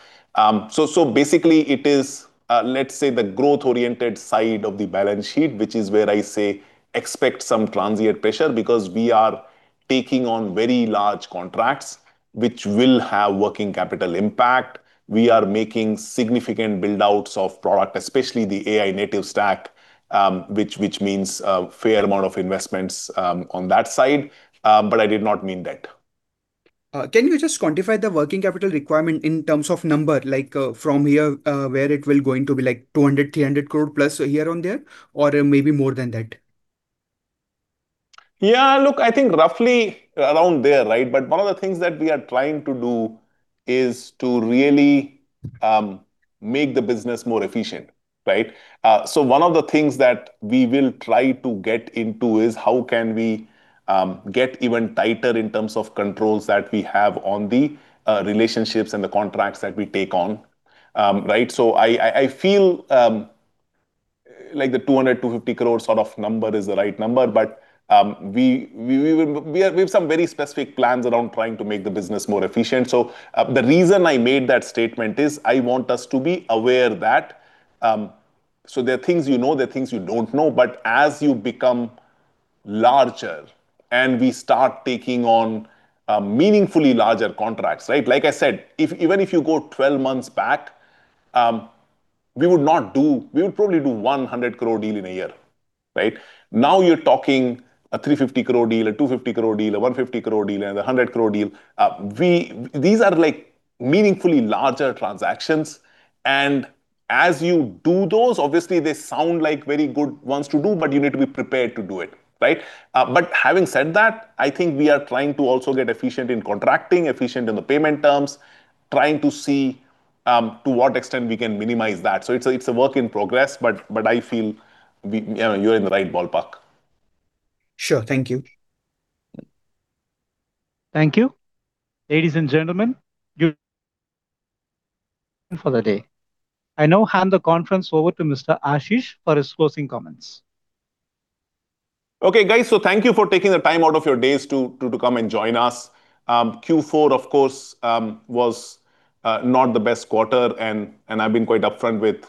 Basically it is, let's say, the growth-oriented side of the balance sheet, which is where I say expect some transient pressure because we are taking on very large contracts which will have working capital impact. We are making significant build-outs of product, especially the AI native stack, which means a fair amount of investments on that side. I did not mean that. Can you just quantify the working capital requirement in terms of number, like, from here, where it will going to be, like 200 crore, 300 crore plus here on there, or maybe more than that? Look, I think roughly around there, right? One of the things that we are trying to do is to really make the business more efficient, right? One of the things that we will try to get into is how can we get even tighter in terms of controls that we have on the relationships and the contracts that we take on, right. I feel like the 200 crore-250 crore sort of number is the right number. We have some very specific plans around trying to make the business more efficient. The reason I made that statement is I want us to be aware that there are things you know, there are things you don't know. As you become larger and we start taking on, meaningfully larger contracts, right. Like I said, if even if you go 12 months back, we would probably do a 100 crore deal in a year, right? Now you're talking a 350 crore deal, a 250 crore deal, a 150 crore deal and a 100 crore deal. These are, like, meaningfully larger transactions. As you do those, obviously they sound like very good ones to do, but you need to be prepared to do it, right? Having said that, I think we are trying to also get efficient in contracting, efficient in the payment terms, trying to see, to what extent we can minimize that. It's, it's a work in progress, but I feel you know, you're in the right ballpark. Sure. Thank you. Thank you. Ladies and gentlemen, you for the day. I now hand the conference over to Mr. Ashish for his closing comments. Okay, guys. Thank you for taking the time out of your days to come and join us. Q4, of course, was not the best quarter, and I've been quite upfront with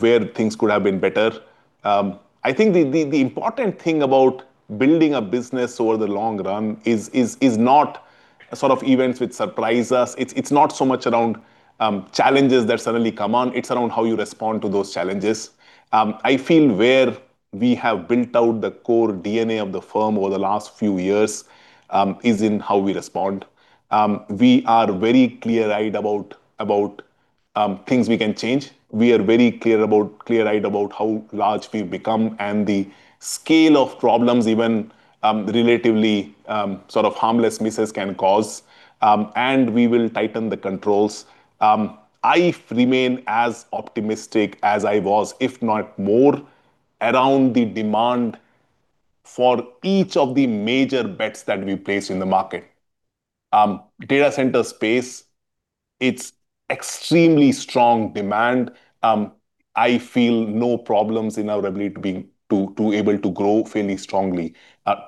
where things could have been better. I think the important thing about building a business over the long run is not sort of events which surprise us. It's not so much around challenges that suddenly come on. It's around how you respond to those challenges. I feel where we have built out the core DNA of the firm over the last few years is in how we respond. We are very clear-eyed about things we can change. We are very clear-eyed about how large we've become and the scale of problems even, relatively, sort of harmless misses can cause. We will tighten the controls. I remain as optimistic as I was, if not more, around the demand for each of the major bets that we placed in the market. Data center space, it's extremely strong demand. I feel no problems in our ability to able to grow fairly strongly.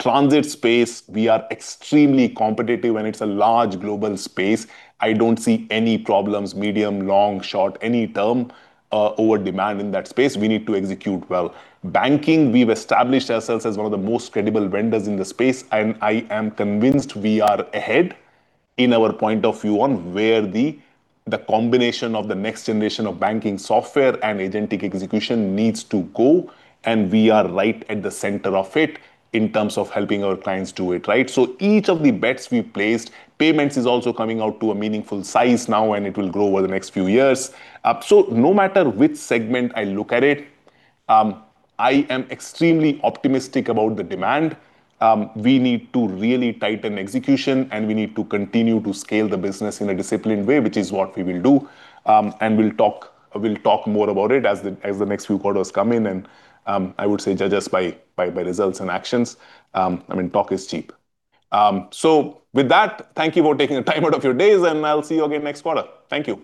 Transit space, we are extremely competitive. It's a large global space. I don't see any problems, medium, long, short, any term, over demand in that space. We need to execute well. Banking, we've established ourselves as one of the most credible vendors in the space. I am convinced we are ahead in our point of view on where the combination of the next generation of banking software and agentic execution needs to go. We are right at the center of it in terms of helping our clients do it, right? Each of the bets we placed. Payments is also coming out to a meaningful size now. It will grow over the next few years. No matter which segment I look at it, I am extremely optimistic about the demand. We need to really tighten execution. We need to continue to scale the business in a disciplined way, which is what we will do. We'll talk more about it as the next few quarters come in. I would say judge us by results and actions. I mean, talk is cheap. With that, thank you for taking the time out of your days, and I'll see you again next quarter. Thank you.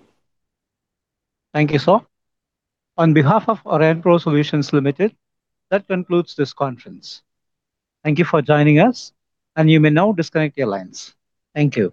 Thank you, sir. On behalf of Aurionpro Solutions Limited, that concludes this conference. Thank you for joining us, and you may now disconnect your lines. Thank you.